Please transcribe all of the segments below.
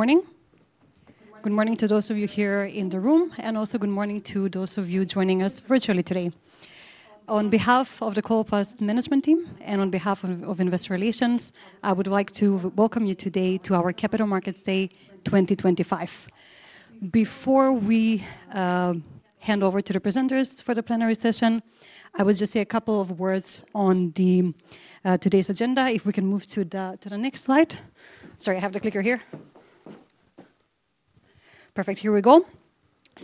Good morning. Good morning to those of you here in the room, and also good morning to those of you joining us virtually today. On behalf of the Coloplast Management Team and on behalf of Investor Relations, I would like to welcome you today to our Capital Markets Day 2025. Before we hand over to the presenters for the plenary session, I will just say a couple of words on today's agenda. If we can move to the next slide. Sorry, I have the clicker here. Perfect. Here we go.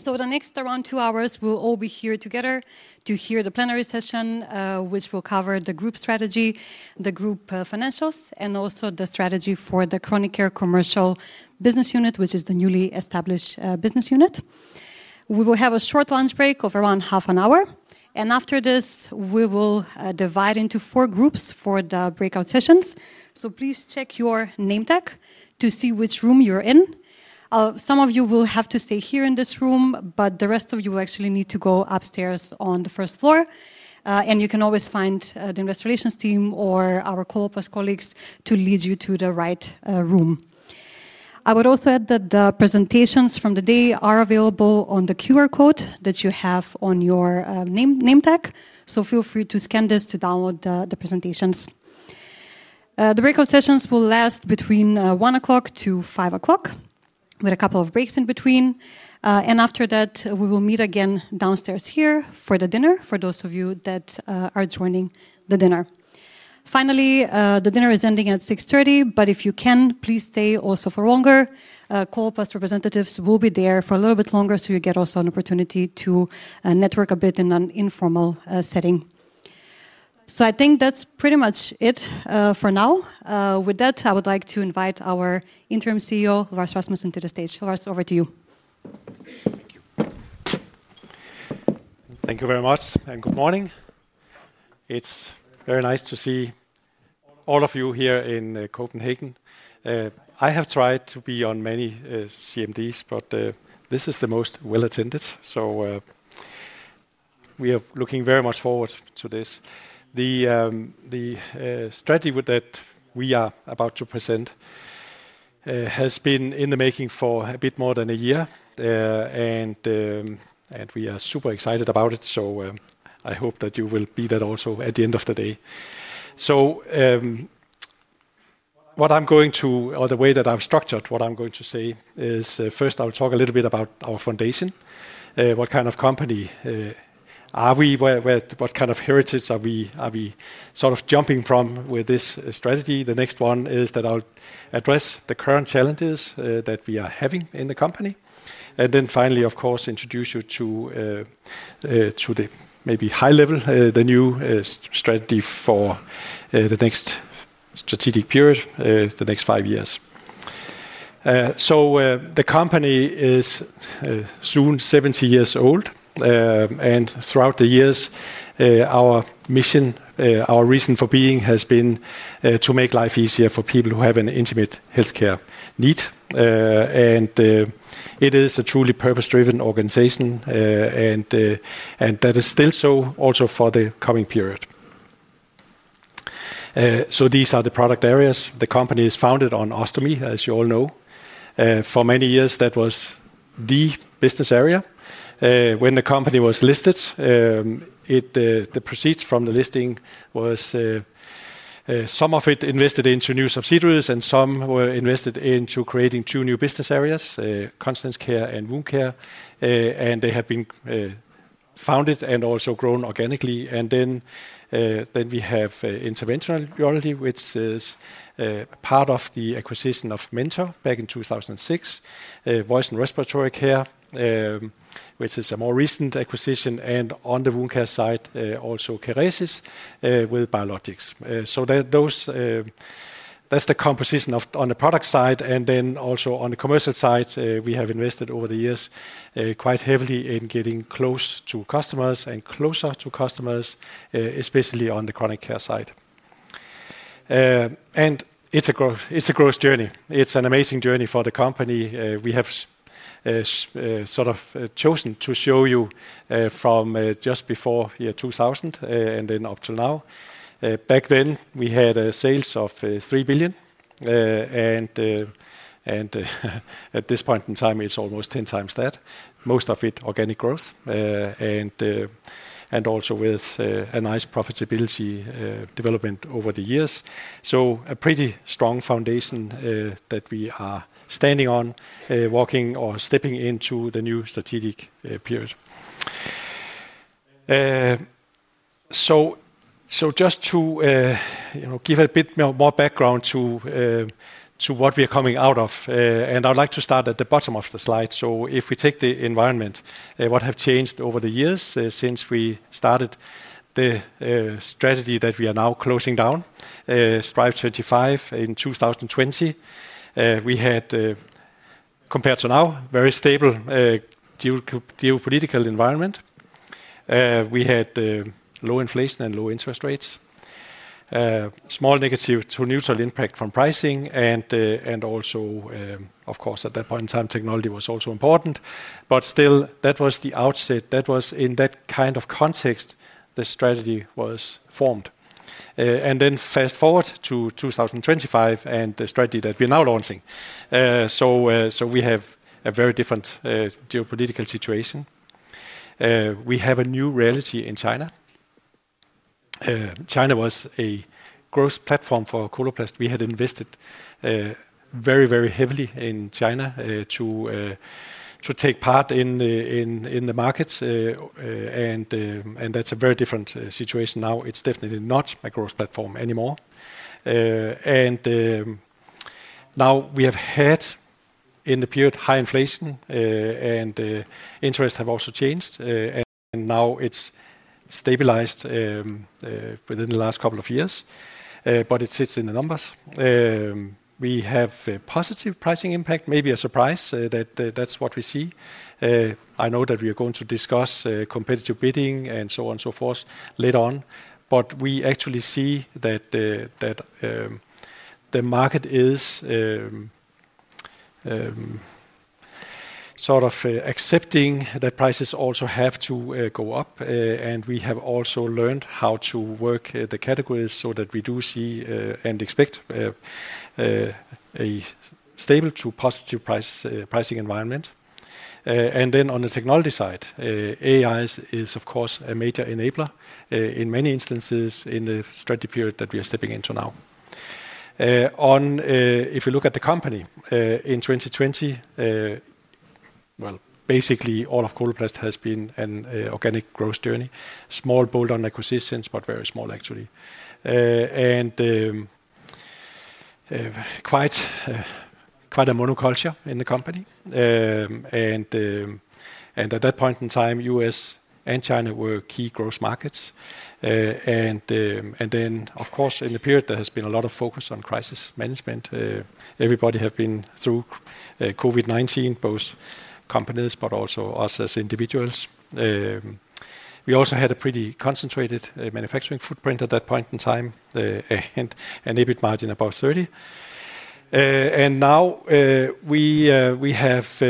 In the next around two hours, we'll all be here together to hear the plenary session, which will cover the group strategy, the group financials, and also the strategy for the Chronic Care Commercial Business Unit, which is the newly established business unit. We will have a short lunch break of around half an hour. After this, we will divide into four groups for the breakout sessions. Please check your name tag to see which room you're in. Some of you will have to stay here in this room, but the rest of you will actually need to go upstairs on the first floor. You can always find the Investor Relations Team or our Coloplast colleagues to lead you to the right room. I would also add that the presentations from the day are available on the QR code that you have on your name tag. Feel free to scan this to download the presentations. The breakout sessions will last between 1:00 P.M. to 5:00 P.M., with a couple of breaks in between. After that, we will meet again downstairs here for the dinner for those of you that are joining the dinner. Finally, the dinner is ending at 6:30 P.M., but if you can, please stay also for longer. Coloplast representatives will be there for a little bit longer, so you get also an opportunity to network a bit in an informal setting. I think that's pretty much it for now. With that, I would like to invite our Interim CEO, Lars Rasmussen, to the stage. Lars, over to you. Thank you very much, and good morning. It's very nice to see all of you here in Copenhagen. I have tried to be on many CMDs, but this is the most well-attended. We are looking very much forward to this. The strategy that we are about to present has been in the making for a bit more than a year, and we are super excited about it. I hope that you will be there also at the end of the day. What I'm going to, or the way that I've structured what I'm going to say is, first, I'll talk a little bit about our foundation. What kind of company are we? What kind of heritage are we sort of jumping from with this strategy? The next one is that I'll address the current challenges that we are having in the company, and then finally, of course, introduce you to the maybe high level, the new strategy for the next strategic period, the next five years. The company is soon 70 years old. Throughout the years, our mission, our reason for being has been to make life easier for people who have an intimate healthcare need. It is a truly purpose-driven organization, and that is still so also for the coming period. These are the product areas. The company is founded on ostomy, as you all know. For many years, that was the business area. When the company was listed, the proceeds from the listing were, some of it invested into new subsidiaries, and some were invested into creating two new business areas: Chronic Care and Wound Care. They have been founded and also grown organically. We have Interventional Urology, which is part of the acquisition of Mentor back in 2006, Voice and Respiratory Care, which is a more recent acquisition. On the Wound Care side, also Kerecis with Biologics. That's the composition on the product side. On the commercial side, we have invested over the years quite heavily in getting close to customers and closer to customers, especially on the Chronic Care side. It's a growth journey. It's an amazing journey for the company. We have sort of chosen to show you from just before year 2000 and then up till now. Back then, we had a sales of 3 billion. At this point in time, it's almost 10x that, most of it organic growth, and also with a nice profitability development over the years. A pretty strong foundation that we are standing on, walking or stepping into the new strategic period. Just to give a bit more background to what we are coming out of, I would like to start at the bottom of the slide. If we take the environment, what has changed over the years since we started the strategy that we are now closing down, Strive25, in 2020, we had, compared to now, a very stable geopolitical environment. We had low inflation and low interest rates, small negative to neutral impact from pricing. Also, of course, at that point in time, technology was also important. Still, that was the outset. That was in that kind of context the strategy was formed. Fast forward to 2025 and the strategy that we're now launching, we have a very different geopolitical situation. We have a new reality in China. China was a growth platform for Coloplast. We had invested very, very heavily in China to take part in the markets. That's a very different situation now. It's definitely not a growth platform anymore. We have had, in the period, high inflation, and interests have also changed. Now it's stabilized within the last couple of years, but it sits in the numbers. We have a positive pricing impact, maybe a surprise, that that's what we see. I know that we are going to discuss competitive bidding and so on and so forth later on. We actually see that the market is sort of accepting that prices also have to go up. We have also learned how to work the categories so that we do see and expect a stable to positive pricing environment. On the technology side, AI is, of course, a major enabler in many instances in the strategy period that we are stepping into now. If you look at the company, in 2020, basically, all of Coloplast has been an organic growth journey, small bolt-on acquisitions, but very small, actually. Quite a monoculture in the company. At that point in time, U.S. and China were key growth markets. In the period, there has been a lot of focus on crisis management. Everybody has been through COVID-19, both companies, but also us as individuals. We also had a pretty concentrated manufacturing footprint at that point in time, and a bit margin above 30. Now we have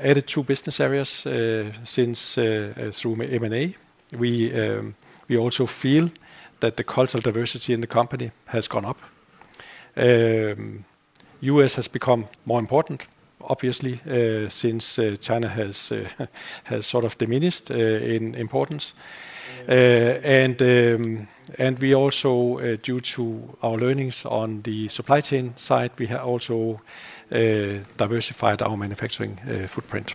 added two business areas through M&A. We also feel that the cultural diversity in the company has gone up. U.S. has become more important, obviously, since China has sort of diminished in importance. We also, due to our learnings on the supply chain side, have diversified our manufacturing footprint.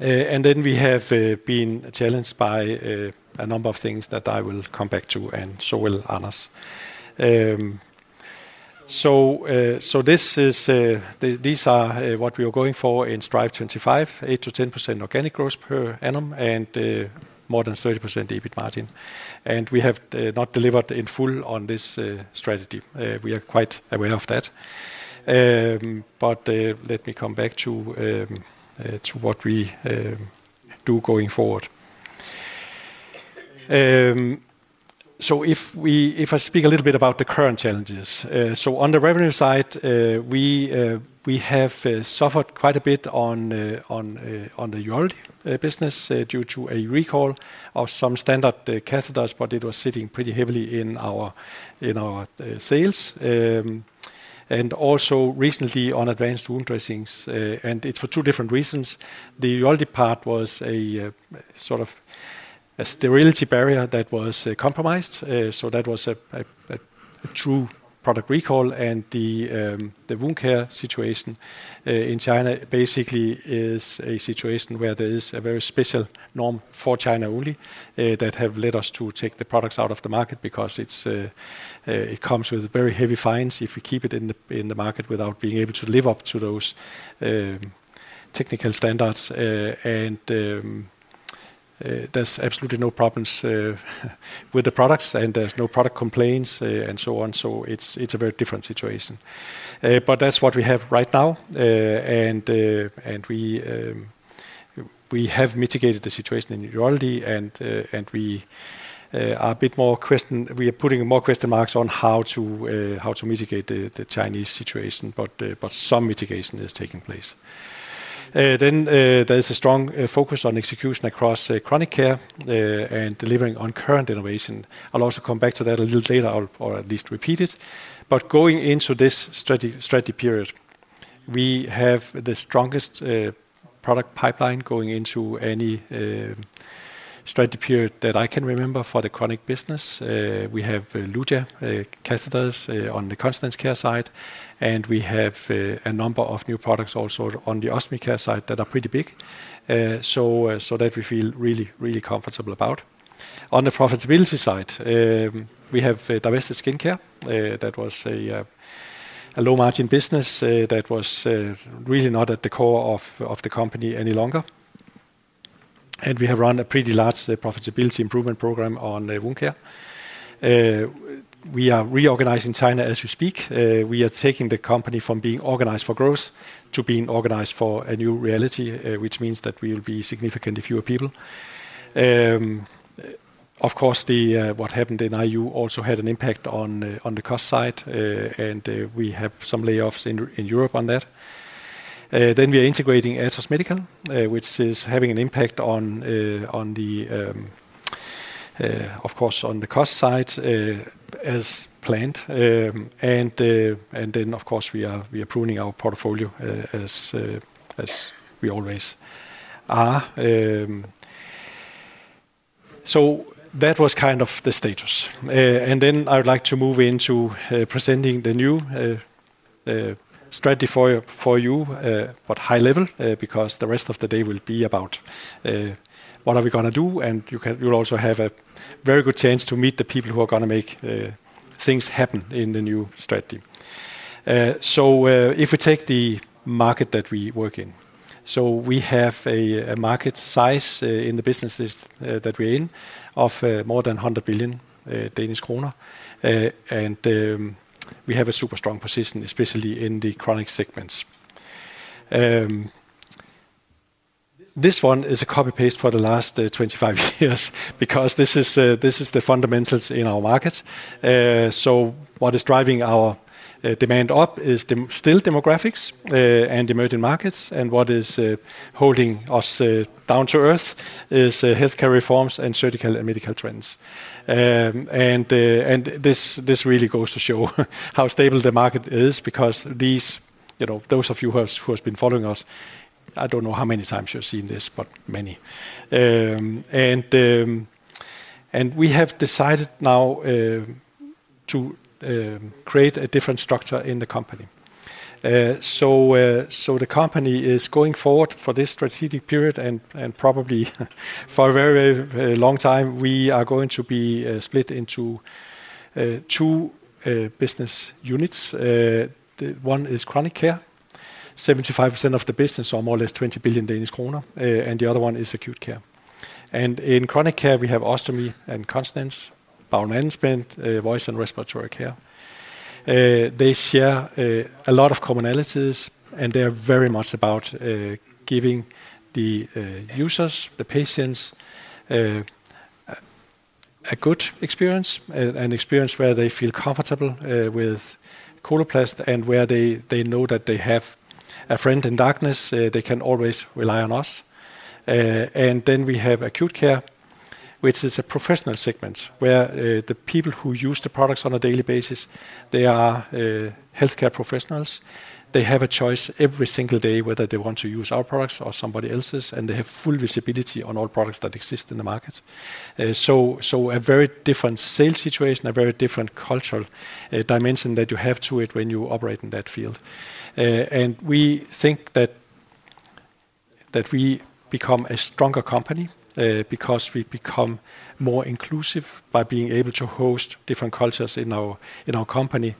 We have been challenged by a number of things that I will come back to, and so will Anders. These are what we are going for in Strive25: 8% to 10% organic growth per annum and more than 30% EBIT margin. We have not delivered in full on this strategy. We are quite aware of that. Let me come back to what we do going forward. If I speak a little bit about the current challenges, on the revenue side, we have suffered quite a bit on the Urology business due to a recall of some standard catheters, but it was sitting pretty heavily in our sales, and also recently on advanced wound dressings. It is for two different reasons. The urology part was a sort of a sterility barrier that was compromised, so that was a true product recall. The Wound Care situation in China basically is a situation where there is a very special norm for China only that has led us to take the products out of the market because it comes with very heavy fines if we keep it in the market without being able to live up to those technical standards. There are absolutely no problems with the products, and there are no product complaints and so on. It is a very different situation, but that is what we have right now. We have mitigated the situation in urology, and we are putting more question marks on how to mitigate the Chinese situation, but some mitigation is taking place. There is a strong focus on execution across Chronic Care and delivering on current innovation. I will also come back to that a little later, or at least repeat it. Going into this strategy period, we have the strongest product pipeline going into any strategy period that I can remember for the Chronic business. We have Luja catheters on the Chronic Care side, and we have a number of new products also on the Ostomy Care side that are pretty big, so that we feel really, really comfortable about. On the profitability side, we have Divested Skincare. That was a low-margin business that was really not at the core of the company any longer. We have run a pretty large profitability improvement program on Wound Care. We are reorganizing China as we speak. We are taking the company from being organized for growth to being organized for a new reality, which means that we will be significantly fewer people. Of course, what happened in IU also had an impact on the cost side, and we have some layoffs in Europe on that. We are integrating Atos Medical, which is having an impact, of course, on the cost side as planned. We are pruning our portfolio as we always are. That was kind of the status. I would like to move into presenting the new strategy for you, but high level, because the rest of the day will be about what we are going to do. You will also have a very good chance to meet the people who are going to make things happen in the new strategy. If we take the market that we work in, we have a market size in the businesses that we're in of more than 100 billion Danish kroner. We have a super strong position, especially in the Chronic segments. This one is a copy-paste for the last 25 years because this is the fundamentals in our market. What is driving our demand up is still demographics and emerging markets. What is holding us down to earth is healthcare reforms and surgical and medical trends. This really goes to show how stable the market is because those of you who have been following us, I don't know how many times you've seen this, but many. We have decided now to create a different structure in the company. The company is going forward for this strategic period and probably for a very, very long time. We are going to be split into two business units. One is Chronic Care, 75% of the business or more or less 20 billion Danish kroner. The other one is Acute Care. In Chronic Care, we have ostomy and continence, bowel management, Voice and Respiratory Care. They share a lot of commonalities, and they're very much about giving the users, the patients, a good experience, an experience where they feel comfortable with Coloplast and where they know that they have a friend in darkness. They can always rely on us. We have Acute Care, which is a professional segment where the people who use the products on a daily basis, they are healthcare professionals. They have a choice every single day whether they want to use our products or somebody else's, and they have full visibility on all products that exist in the market. It is a very different sales situation, a very different cultural dimension that you have to it when you operate in that field. We think that we become a stronger company because we become more inclusive by being able to host different cultures in our company.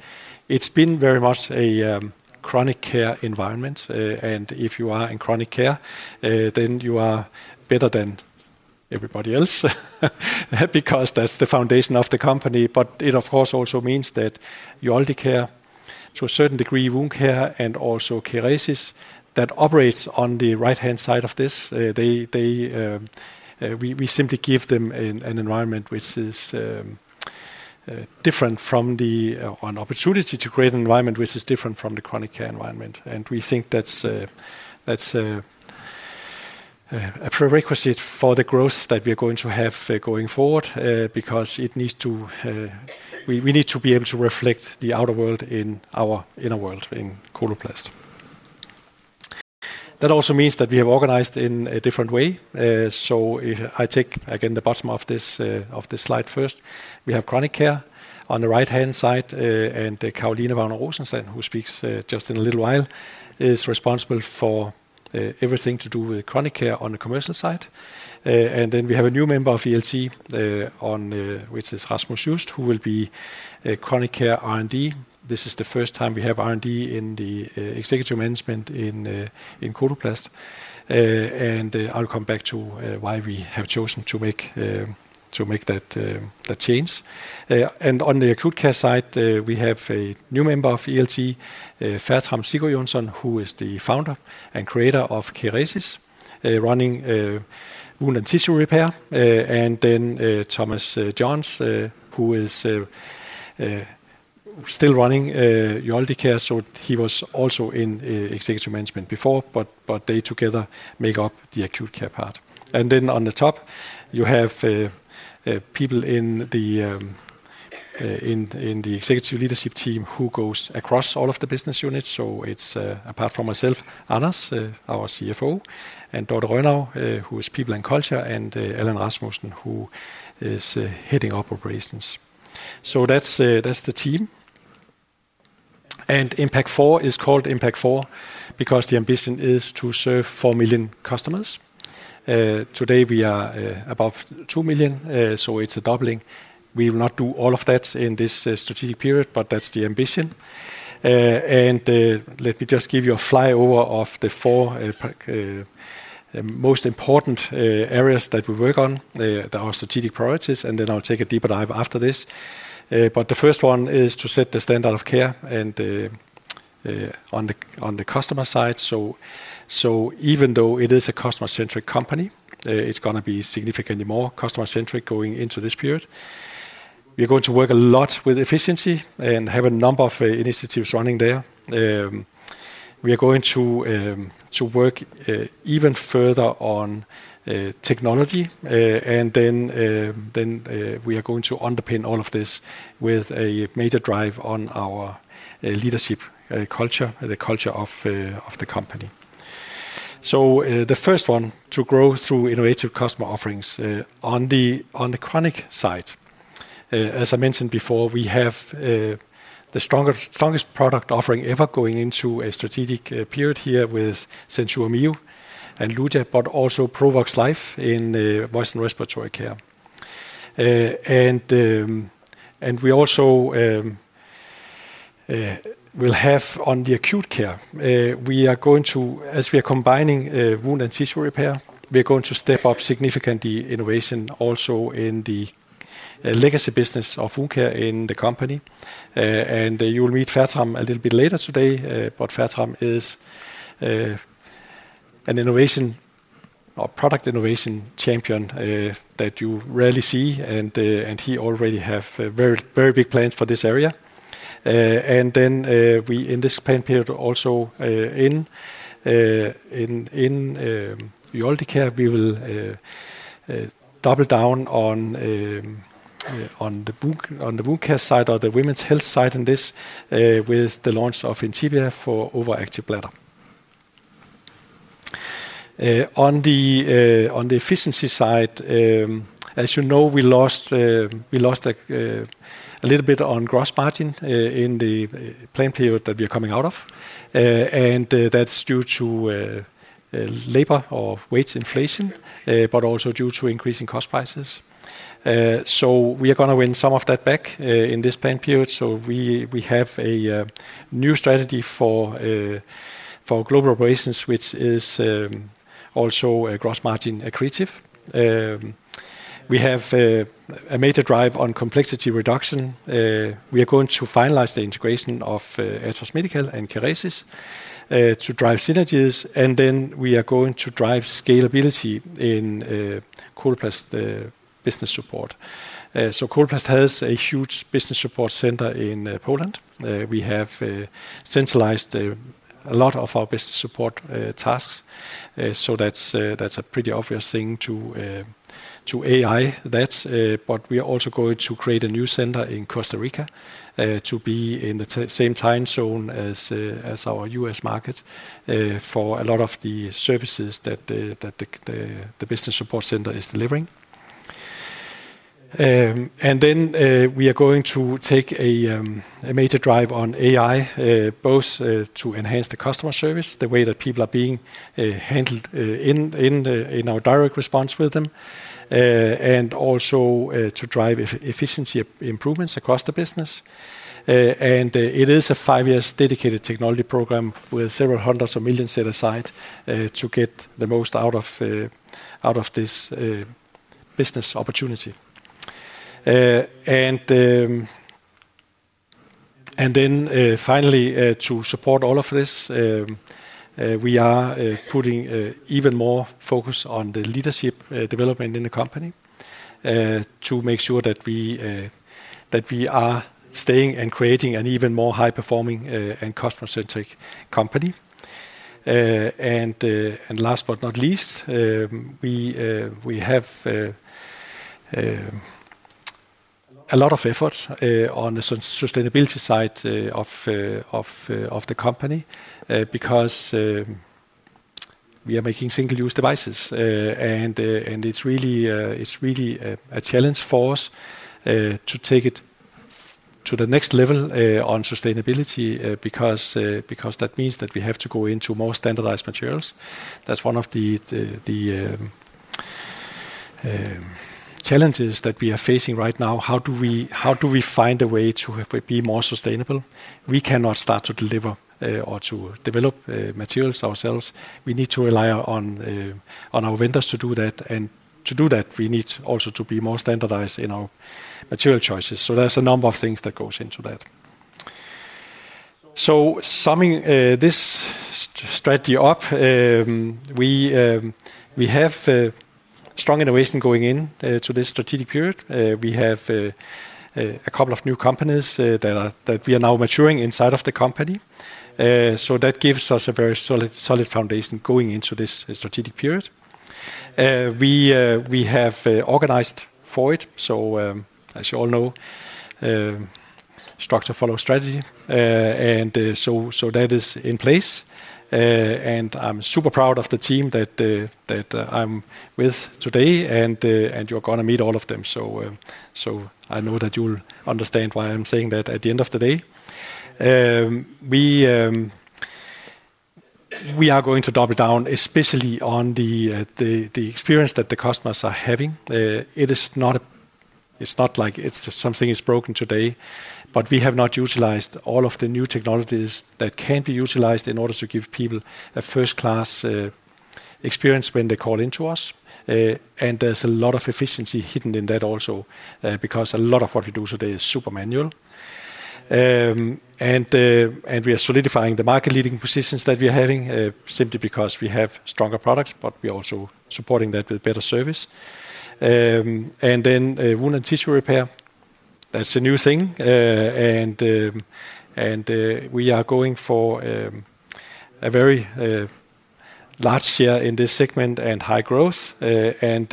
It's been very much a Chronic Care environment. If you are in Chronic Care, then you are better than everybody else because that's the foundation of the company. It, of course, also means that Urology Care, to a certain degree, Wound Care, and also Kerecis that operates on the right-hand side of this, we simply give them an environment which is different from the opportunity to create an environment which is different from the Chronic Care environment. We think that's a prerequisite for the growth that we are going to have going forward because we need to be able to reflect the outer world in our inner world, in Coloplast. That also means that we have organized in a different way. I take, again, the bottom of this slide first. We have Chronic Care on the right-hand side, and Caroline Vagner Rosenstand, who speaks just in a little while, is responsible for everything to do with Chronic Care on the commercial side. We have a new member of ELT, which is Rasmus Just, who will be Chronic Care R&D. This is the first time we have R&D in the executive management in Coloplast. I'll come back to why we have chosen to make that change. On the Acute Care side, we have a new member of ELT, Fertram Sigurjonsson, who is the founder and creator of Kerecis, running Wound and Tissue Repair. Thomas Johns, who is still running Urology Care, was also in executive management before, but they together make up the Acute Care part. On the top, you have people in the executive leadership team who go across all of the business units. It's apart from myself, Anders, our CFO, and Dorthe Rønnau, who is People and Culture, and Allan Rasmussen, who is heading Operations. That's the team. Impact4 is called Impact4 because the ambition is to serve 4 million customers. Today, we are above 2 million, so it's a doubling. We will not do all of that in this strategic period, but that's the ambition. Let me just give you a flyover of the four most important areas that we work on, our strategic priorities, and then I'll take a deeper dive after this. The first one is to set the standard of care on the customer side. Even though it is a customer-centric company, it's going to be significantly more customer-centric going into this period. We are going to work a lot with efficiency and have a number of initiatives running there. We are going to work even further on technology. We are going to underpin all of this with a major drive on our leadership culture, the culture of the company. The first one, to grow through innovative customer offerings. On the chronic side, as I mentioned before, we have the strongest product offering ever going into a strategic period here with SenSura Mio and Luja, but also Provox Life in Voice and Respiratory Care. We also will have on the Acute Care. As we are combining Wound and Tissue Repair, we are going to step up significantly innovation also in the legacy business of Wound Care in the company. You will meet Fertram a little bit later today, but Fertram is an innovation or product innovation champion that you rarely see. He already has very, very big plans for this area. In this plan period, also in Urology Care, we will double down on the Wound Care side or the women's health side in this with the launch of Intibia for overactive bladder. On the efficiency side, as you know, we lost a little bit on gross margin in the plan period that we are coming out of. That is due to labor or wage inflation, but also due to increasing cost prices. We are going to win some of that back in this plan period. We have a new strategy for global operations, which is also gross margin accretive. We have a major drive on complexity reduction. We are going to finalize the integration of Atos Medical and Kerecis to drive synergies. We are going to drive scalability in Coloplast business support. Coloplast has a huge business support center in Poland. We have centralized a lot of our business support tasks. That is a pretty obvious thing to AI that. We are also going to create a new center in Costa Rica to be in the same time zone as our U.S. market for a lot of the services that the business support center is delivering. We are going to take a major drive on AI, both to enhance the customer service, the way that people are being handled in our direct response with them, and also to drive efficiency improvements across the business. It is a five-year dedicated technology program with several hundreds of millions set aside to get the most out of this business opportunity. Finally, to support all of this, we are putting even more focus on the leadership development in the company to make sure that we are staying and creating an even more high-performing and customer-centric company. Last but not least, we have a lot of effort on the sustainability side of the company because we are making single-use devices. It's really a challenge for us to take it to the next level on sustainability because that means that we have to go into more standardized materials. That's one of the challenges that we are facing right now. How do we find a way to be more sustainable? We cannot start to deliver or to develop materials ourselves. We need to rely on our vendors to do that. To do that, we need also to be more standardized in our material choices. There's a number of things that go into that. Summing this strategy up, we have strong innovation going into this strategic period. We have a couple of new companies that we are now maturing inside of the company. That gives us a very solid foundation going into this strategic period. We have organized for it. As you all know, structure follows strategy. That is in place. I'm super proud of the team that I'm with today. You're going to meet all of them. I know that you'll understand why I'm saying that at the end of the day. We are going to double down, especially on the experience that the customers are having. It's not like something is broken today, but we have not utilized all of the new technologies that can be utilized in order to give people a first-class experience when they call into us. There's a lot of efficiency hidden in that also because a lot of what we do today is super manual. We are solidifying the market-leading positions that we are having simply because we have stronger products, but we're also supporting that with better service. Wound and Tissue Repair, that's a new thing. We are going for a very large share in this segment and high growth. We are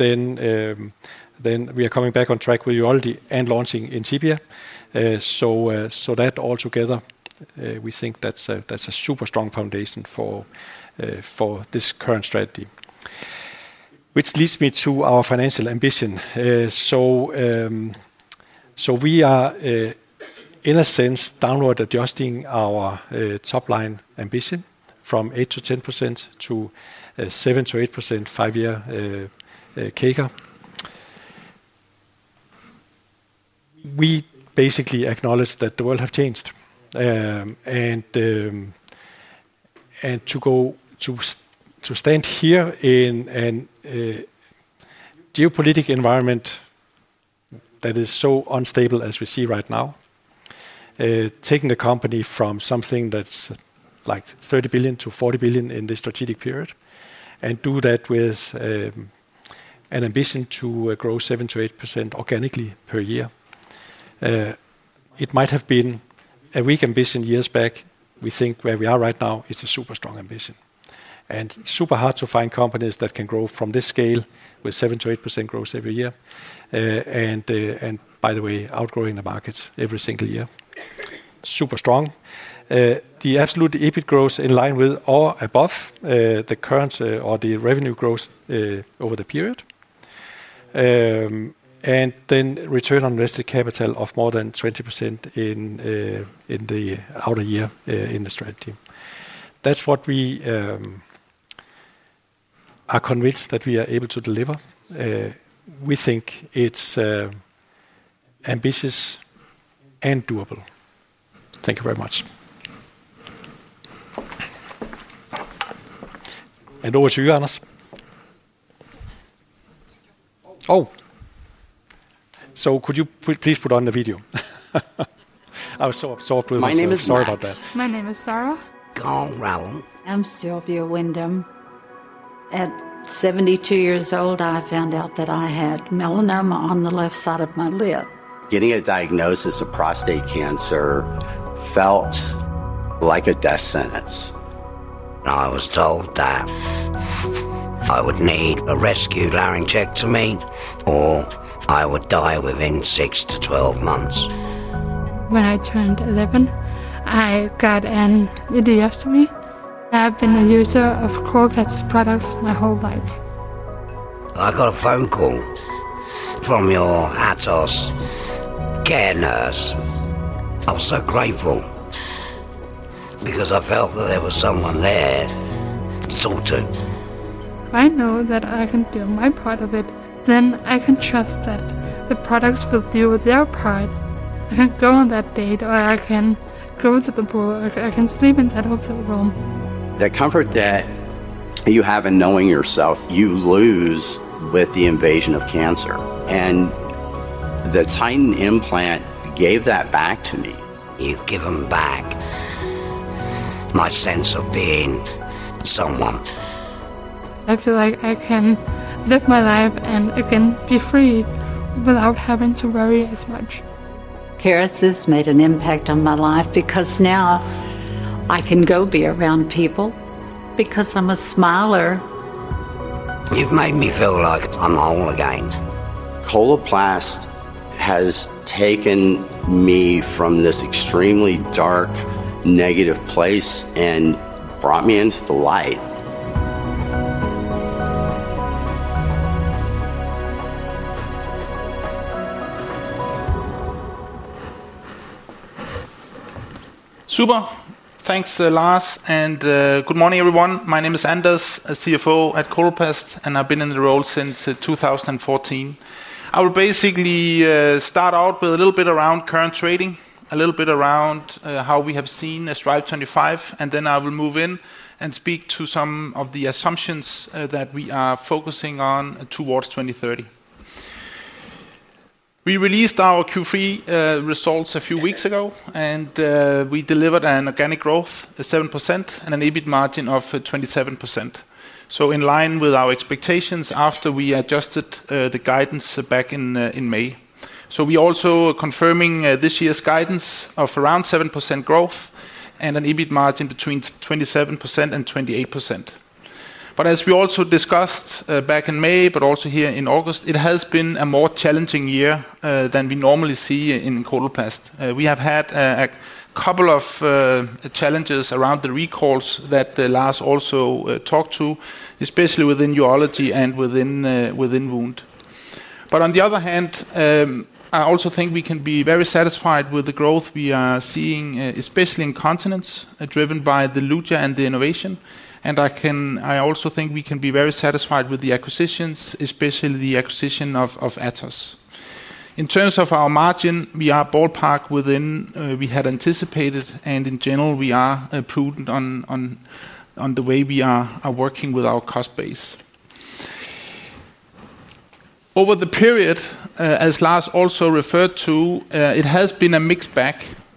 coming back on track with you already and launching Intibia. Altogether, we think that's a super strong foundation for this current strategy, which leads me to our financial ambition. We are, in a sense, downward adjusting our top-line ambition from 8%-10% to 7%-8% five-year CAGR. We basically acknowledge that the world has changed. To stand here in a geopolitical environment that is so unstable as we see right now, taking the company from something that's like 30 billion-40 billion in this strategic period, and do that with an ambition to grow 7%-8% organically per year. It might have been a weak ambition years back. We think where we are right now is a super strong ambition. It is super hard to find companies that can grow from this scale with 7%-8% growth every year. By the way, outgrowing the market every single year. Super strong. The absolute EBIT growth in line with or above the current or the revenue growth over the period, and then return on invested capital of more than 20% in the outer year in the strategy. That's what we are convinced that we are able to deliver. We think it's ambitious and doable. Thank you very much. Over to you, Anders. Oh. Could you please put on the video? I was so absorbed with this one. Sorry about that. My name is Sarah. Go around. I'm Sylvia Windham. At 72 years old, I found out that I had melanoma on the left side of my lip. Getting a diagnosis of prostate cancer felt like a death sentence, and I was told that I would need a rescue laryngectomy or I would die within 6-12 months. When I turned 11, I got an ileostomy. I've been a user of Coloplast's products my whole life. I got a phone call from your Atos care nurse. I was so grateful because I felt that there was someone there to talk to. I know that I can do my part of it. I can trust that the products will do their part. I can go on that date, I can go to the pool, or I can sleep in that hotel room. The comfort that you have in knowing yourself, you lose with the invasion of cancer. The Titan implant gave that back to me. You've given back my sense of being someone. I feel like I can live my life, and I can be free without having to worry as much. Kerecis made an impact on my life because now I can go be around people because I'm a smiler. You've made me feel like Tom Holt again. Coloplast has taken me from this extremely dark, negative place and brought me into the light. Super. Thanks, Lars. Good morning, everyone. My name is Anders, a CFO at Coloplast, and I've been in the role since 2014. I will basically start out with a little bit around current trading, a little bit around how we have seen Strive25, and then I will move in and speak to some of the assumptions that we are focusing on towards 2030. We released our Q3 results a few weeks ago, and we delivered an organic growth of 7% and an EBIT margin of 27%. In line with our expectations after we adjusted the guidance back in May, we're also confirming this year's guidance of around 7% growth and an EBIT margin between 27%-28%. As we also discussed back in May, and also here in August, it has been a more challenging year than we normally see in Coloplast. We have had a couple of challenges around the recalls that Lars also talked to, especially within urology and within wound. On the other hand, I also think we can be very satisfied with the growth we are seeing, especially in continence driven by the Luja and the innovation. I also think we can be very satisfied with the acquisitions, especially the acquisition of Atos. In terms of our margin, we are ballpark within what we had anticipated. In general, we are prudent on the way we are working with our cost base. Over the period, as Lars also referred to, it has been a mixed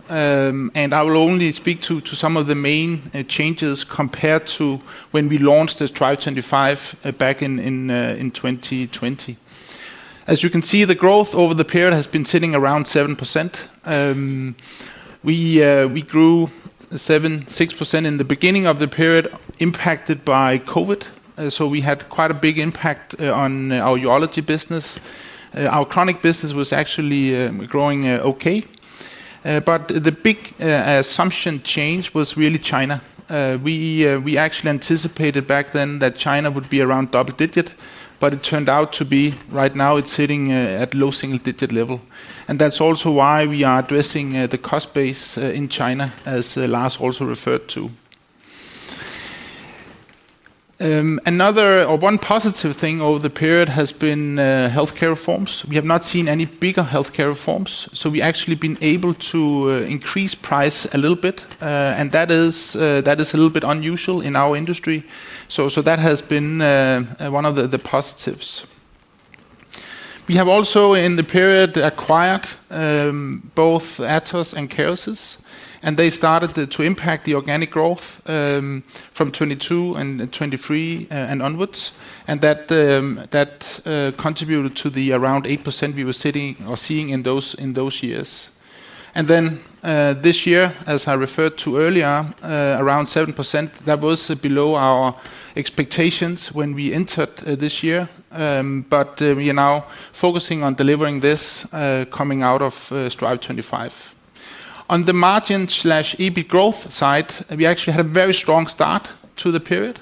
bag. I will only speak to some of the main changes compared to when we launched the Strive25 back in 2020. As you can see, the growth over the period has been sitting around 7%. We grew 6% in the beginning of the period, impacted by COVID. We had quite a big impact on our Urology business. Our Chronic business was actually growing okay. The big assumption change was really China. We actually anticipated back then that China would be around double digit, but it turned out to be right now it's sitting at low single-digit level. That's also why we are addressing the cost base in China, as Lars also referred to. One positive thing over the period has been healthcare reforms. We have not seen any bigger healthcare reforms. We've actually been able to increase price a little bit, and that is a little bit unusual in our industry. That has been one of the positives. We have also, in the period, acquired both Atos and Kerecis, and they started to impact the organic growth from 2022 and 2023 and onwards. That contributed to the around 8% we were sitting or seeing in those years. This year, as I referred to earlier, around 7%. That was below our expectations when we entered this year. We are now focusing on delivering this coming out of Strive25. On the margin/EBIT growth side, we actually had a very strong start to the period.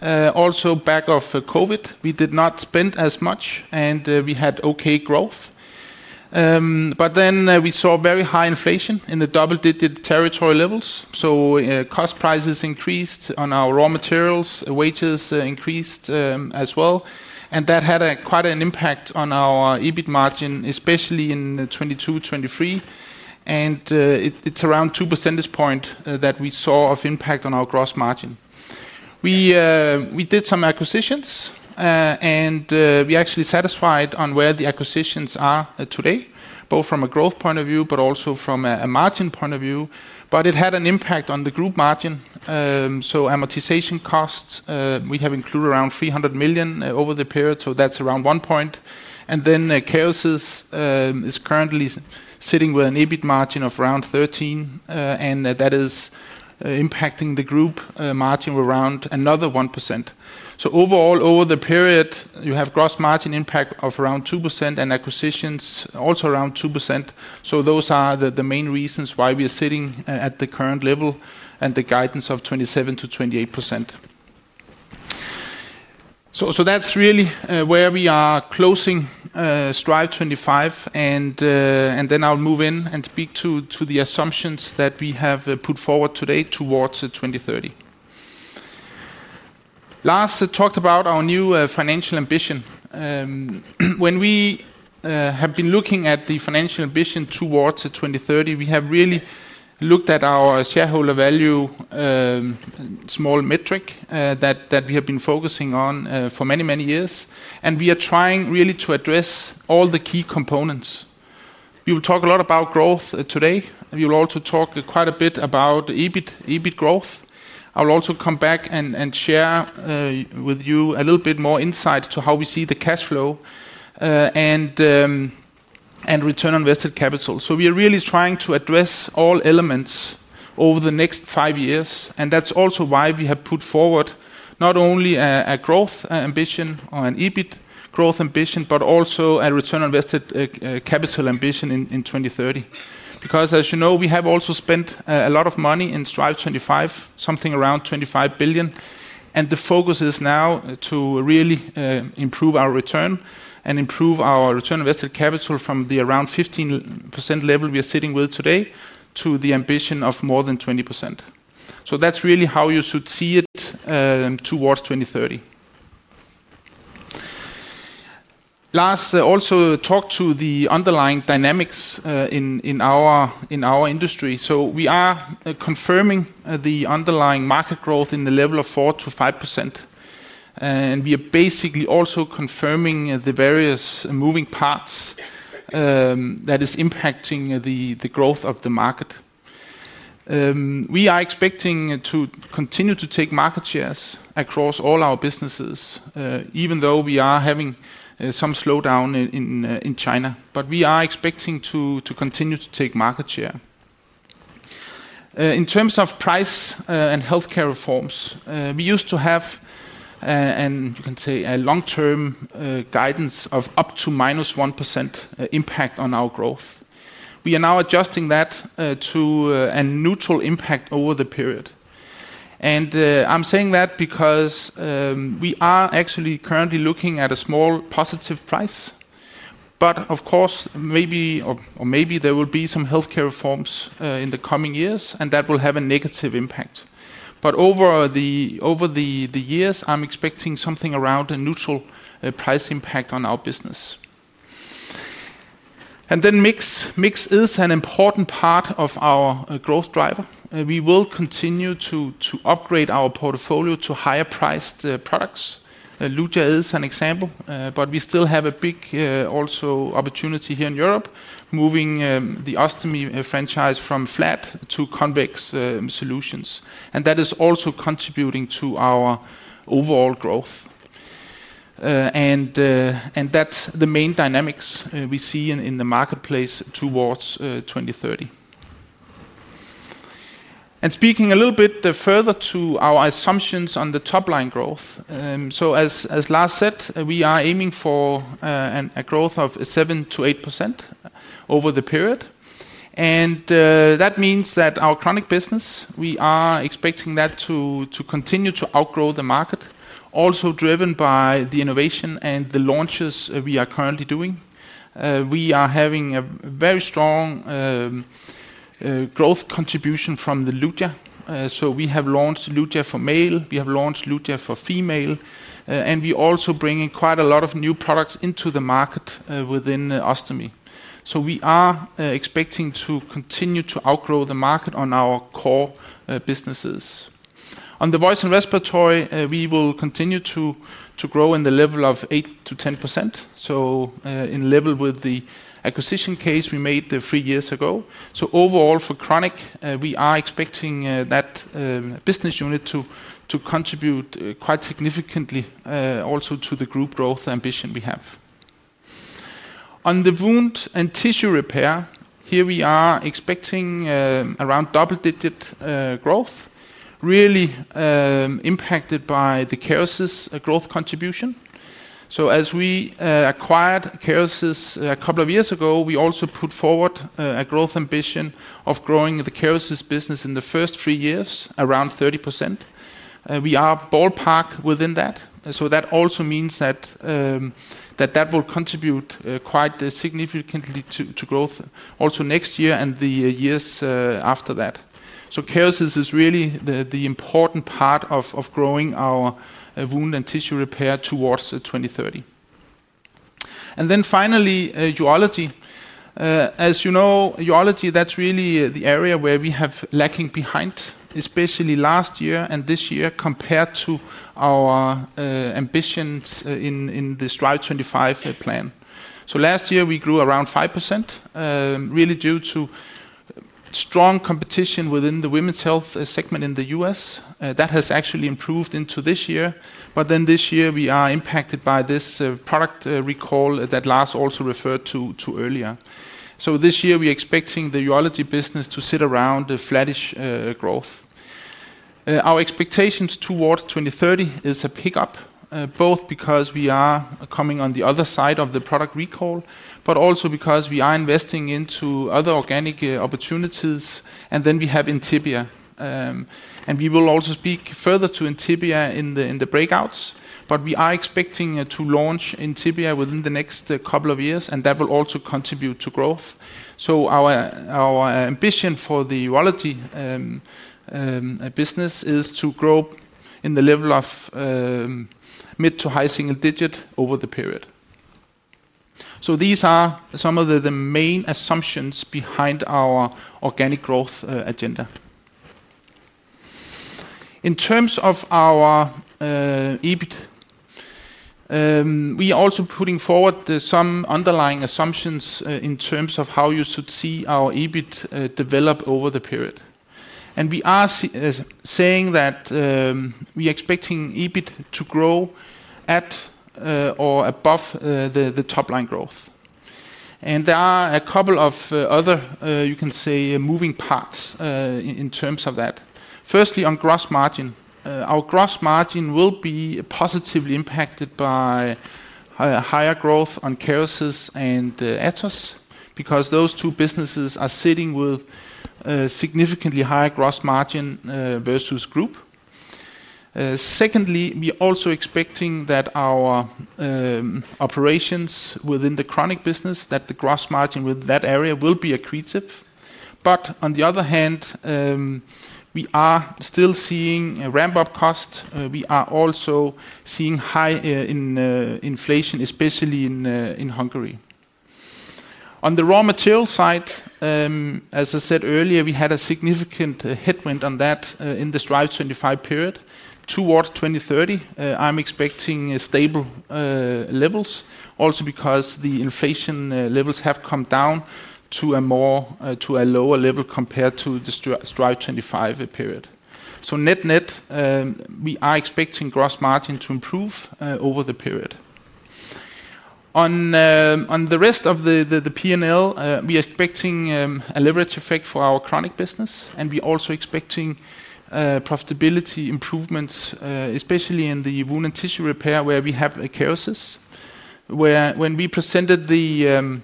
Back of COVID, we did not spend as much, and we had okay growth. We saw very high inflation in the double-digit territory levels. Cost prices increased on our raw materials, wages increased as well. That had quite an impact on our EBIT margin, especially in 2022, 2023. It is around 2% at this point that we saw of impact on our gross margin. We did some acquisitions, and we're actually satisfied on where the acquisitions are today, both from a growth point of view, but also from a margin point of view. It had an impact on the group margin. Amortization costs, we have included around 300 million over the period. That is around 1 point. Kerecis is currently sitting with an EBIT margin of around 13%. That is impacting the group margin of around another 1%. Overall, over the period, you have gross margin impact of around 2% and acquisitions also around 2%. Those are the main reasons why we are sitting at the current level and the guidance of 27%-28%. That is really where we are closing Strive25. I will move in and speak to the assumptions that we have put forward today towards 2030. Last, to talk about our new financial ambition. When we have been looking at the financial ambition towards 2030, we have really looked at our shareholder value small metric that we have been focusing on for many, many years. We are trying really to address all the key components. We will talk a lot about growth today. We will also talk quite a bit about EBIT growth. I will also come back and share with you a little bit more insights to how we see the cash flow and return on invested capital. We are really trying to address all elements over the next five years. That is also why we have put forward not only a growth ambition or an EBIT growth ambition, but also a return on invested capital ambition in 2030. As you know, we have also spent a lot of money in Strive25, something around 25 billion. The focus is now to really improve our return and improve our return on invested capital from the around 15% level we are sitting with today to the ambition of more than 20%. That is really how you should see it towards 2030. Last, also talk to the underlying dynamics in our industry. We are confirming the underlying market growth in the level of 4%-5%. We are basically also confirming the various moving parts that are impacting the growth of the market. We are expecting to continue to take market shares across all our businesses, even though we are having some slowdown in China. We are expecting to continue to take market share. In terms of price and healthcare reforms, we used to have, you can say, a long-term guidance of up to -1% impact on our growth. We are now adjusting that to a neutral impact over the period. I'm saying that because we are actually currently looking at a small positive price. Of course, maybe or maybe there will be some healthcare reforms in the coming years, and that will have a negative impact. Over the years, I'm expecting something around a neutral price impact on our business. Mix is an important part of our growth driver. We will continue to upgrade our portfolio to higher-priced products. Luja is an example, but we still have a big also opportunity here in Europe, moving the ostomy franchise from flat to convex solutions. That is also contributing to our overall growth. That's the main dynamics we see in the marketplace towards 2030. Speaking a little bit further to our assumptions on the top-line growth, as Lars said, we are aiming for a growth of 7%-8% over the period. That means that our Chronic business, we are expecting that to continue to outgrow the market, also driven by the innovation and the launches we are currently doing. We are having a very strong growth contribution from the Luja. We have launched Luja for male. We have launched Luja for female. We're also bringing quite a lot of new products into the market within ostomy. We are expecting to continue to outgrow the market on our core businesses. On the Voice and Respiratory, we will continue to grow in the level of 8%-10%, in level with the acquisition case we made three years ago. Overall, for chronic, we are expecting that business unit to contribute quite significantly also to the group growth ambition we have. On the Wound and Tissue Repair, here we are expecting around double-digit growth, really impacted by the Kerecis growth contribution. As we acquired Kerecis a couple of years ago, we also put forward a growth ambition of growing the Kerecis business in the first three years, around 30%. We are ballpark within that. That also means that will contribute quite significantly to growth also next year and the years after that. Kerecis is really the important part of growing our Wound and Tissue Repair towards 2030. Finally, urology. As you know, urology, that's really the area where we have lagged behind, especially last year and this year compared to our ambitions in the Strive25 plan. Last year, we grew around 5%, really due to strong competition within the women's health segment in the U.S. That has actually improved into this year. This year, we are impacted by this product recall that Lars also referred to earlier. This year, we're expecting the Urology business to sit around the flattish growth. Our expectations towards 2030 is a pickup, both because we are coming on the other side of the product recall, but also because we are investing into other organic opportunities. We have Intibia. We will also speak further to Intibia in the breakouts. We are expecting to launch Intibia within the next couple of years, and that will also contribute to growth. Our ambition for the Urology business is to grow in the level of mid to high single digit over the period. These are some of the main assumptions behind our organic growth agenda. In terms of our EBIT, we are also putting forward some underlying assumptions in terms of how you should see our EBIT develop over the period. We are saying that we're expecting EBIT to grow at or above the top-line growth. There are a couple of other, you can say, moving parts in terms of that. Firstly, on gross margin, our gross margin will be positively impacted by higher growth on Kerecis and Atos because those two businesses are sitting with a significantly higher gross margin versus group. Secondly, we're also expecting that our operations within the Chronic business, that the gross margin with that area will be accretive. On the other hand, we are still seeing a ramp-up cost. We are also seeing high inflation, especially in Hungary. On the raw materials side, as I said earlier, we had a significant headwind on that in the Strive25 period. Towards 2030, I'm expecting stable levels, also because the inflation levels have come down to a lower level compared to the Strive25 period. Net-net, we are expecting gross margin to improve over the period. On the rest of the P&L, we're expecting a leverage effect for our Chronic business. We're also expecting profitability improvements, especially in the Wound and Tissue Repair where we have Kerecis. When we presented the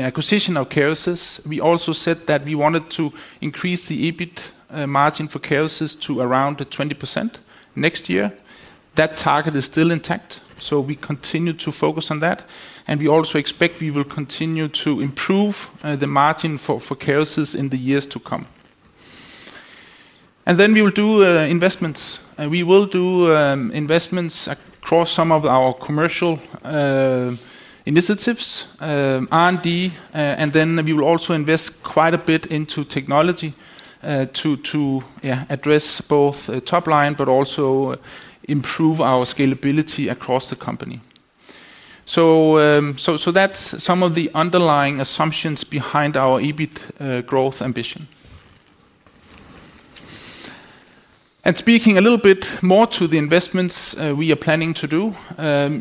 acquisition of Kerecis, we also said that we wanted to increase the EBIT margin for Kerecis to around 20% next year. That target is still intact. We continue to focus on that. We also expect we will continue to improve the margin for Kerecis in the years to come. We will do investments across some of our commercial initiatives and R&D. We will also invest quite a bit into technology to address both top line, but also improve our scalability across the company. That's some of the underlying assumptions behind our EBIT growth ambition. Speaking a little bit more to the investments we are planning to do,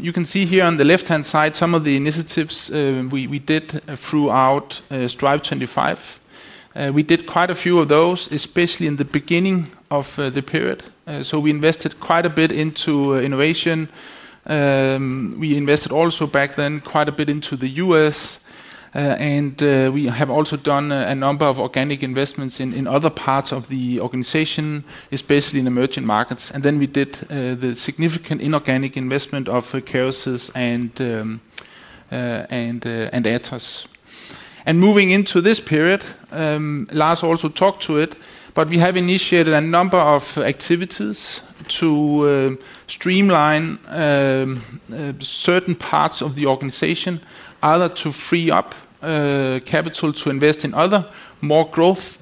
you can see here on the left-hand side some of the initiatives we did throughout Strive25. We did quite a few of those, especially in the beginning of the period. We invested quite a bit into innovation. We invested also back then quite a bit into the U.S. We have also done a number of organic investments in other parts of the organization, especially in emerging markets. We did the significant inorganic investment of Kerecis and Atos. Moving into this period, Lars also talked to it, but we have initiated a number of activities to streamline certain parts of the organization, either to free up capital to invest in other more growth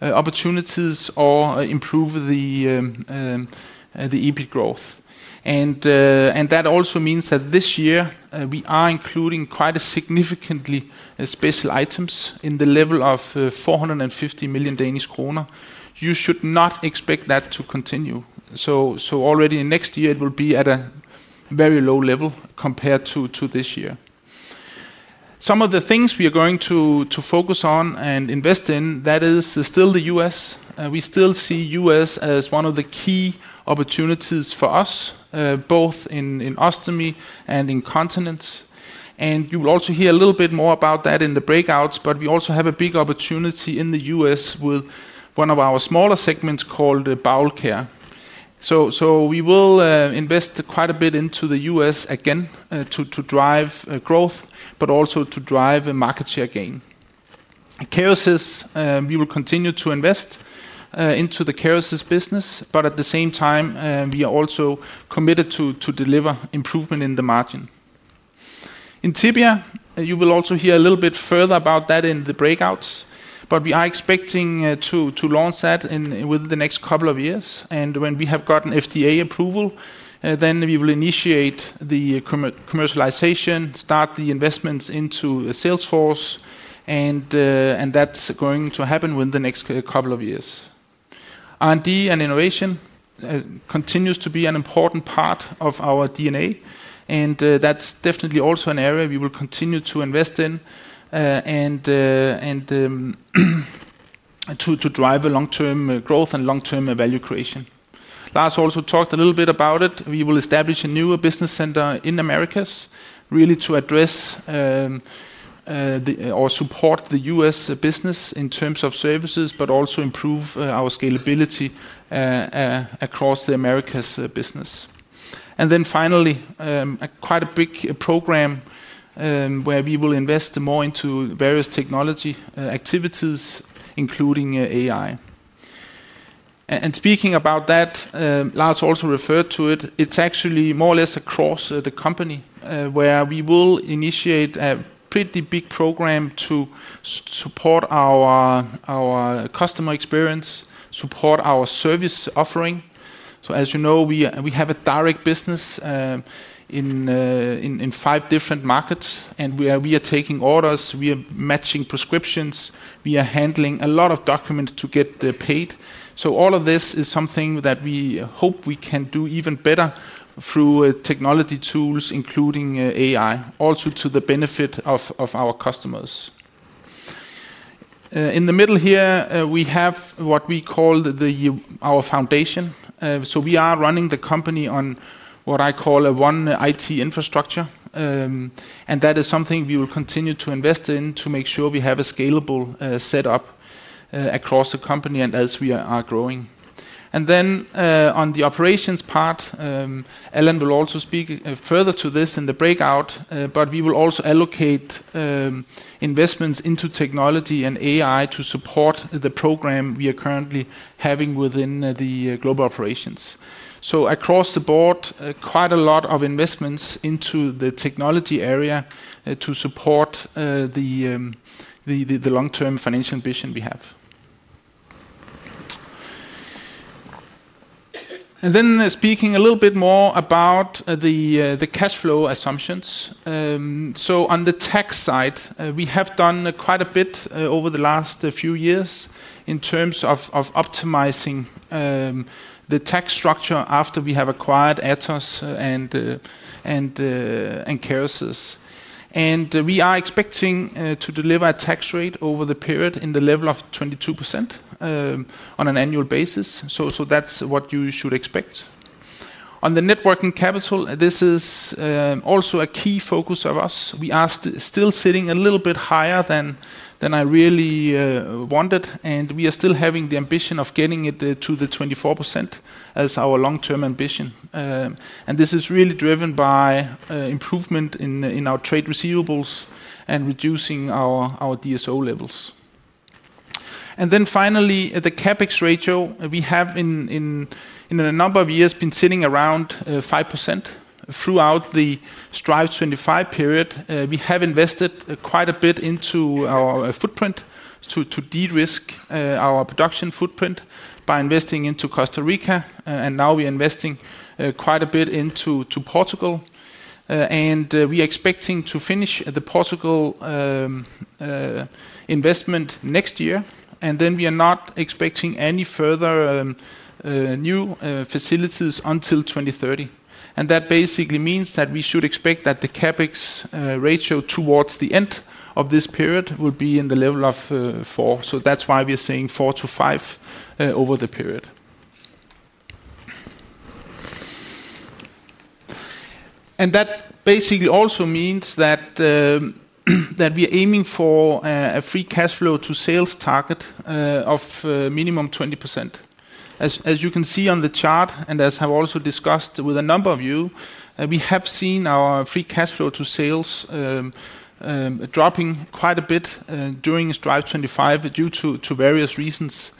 opportunities or improve the EBIT growth. That also means that this year, we are including quite significantly special items in the level of 450 million Danish kroner. You should not expect that to continue. Already in next year, it will be at a very low level compared to this year. Some of the things we are going to focus on and invest in, that is still the U.S. We still see U.S. as one of the key opportunities for us, both in ostomy and in continence. You will also hear a little bit more about that in the breakouts. We also have a big opportunity in the U.S. with one of our smaller segments called Bowel Care. We will invest quite a bit into the U.S. again to drive growth, but also to drive market share gain. Kerecis, we will continue to invest into the Kerecis business. At the same time, we are also committed to deliver improvement in the margin. Intibia, you will also hear a little bit further about that in the breakouts. We are expecting to launch that within the next couple of years. When we have gotten FDA approval, we will initiate the commercialization, start the investments into Salesforce. That is going to happen within the next couple of years. R&D and innovation continues to be an important part of our DNA. That is definitely also an area we will continue to invest in and to drive long-term growth and long-term value creation. Lars also talked a little bit about it. We will establish a new business center in the Americas, really to address or support the U.S. business in terms of services, but also improve our scalability across the Americas business. Finally, quite a big program where we will invest more into various technology activities, including AI. Speaking about that, Lars also referred to it. It is actually more or less across the company where we will initiate a pretty big program to support our customer experience, support our service offering. As you know, we have a direct business in five different markets. We are taking orders. We are matching prescriptions. We are handling a lot of documents to get paid. All of this is something that we hope we can do even better through technology tools, including AI, also to the benefit of our customers. In the middle here, we have what we called our foundation. We are running the company on what I call a one IT infrastructure. That is something we will continue to invest in to make sure we have a scalable setup across the company and as we are growing. On the operations part, Allan will also speak further to this in the breakout. We will also allocate investments into technology and AI to support the program we are currently having within the global operations. Across the board, quite a lot of investments into the technology area to support the long-term financial ambition we have. Speaking a little bit more about the cash flow assumptions. On the tech side, we have done quite a bit over the last few years in terms of optimizing the tech structure after we have acquired Atos and Kerecis. We are expecting to deliver a tax rate over the period in the level of 22% on an annual basis. That is what you should expect. On the networking capital, this is also a key focus of us. We are still sitting a little bit higher than I really wanted. We are still having the ambition of getting it to the 24% as our long-term ambition. This is really driven by improvement in our trade receivables and reducing our DSO levels. Finally, at the CapEx ratio, we have in a number of years been sitting around 5%. Throughout the Strive25 period, we have invested quite a bit into our footprint to de-risk our production footprint by investing into Costa Rica. Now we are investing quite a bit into Portugal. We are expecting to finish the Portugal investment next year. We are not expecting any further new facilities until 2030. That basically means that we should expect that the CapEx ratio towards the end of this period will be in the level of 4. That's why we are saying 4-5 over the period. That basically also means that we are aiming for a free cash flow to sales target of minimum 20%. As you can see on the chart, and as I have also discussed with a number of you, we have seen our free cash flow to sales dropping quite a bit during Strive25 due to various reasons.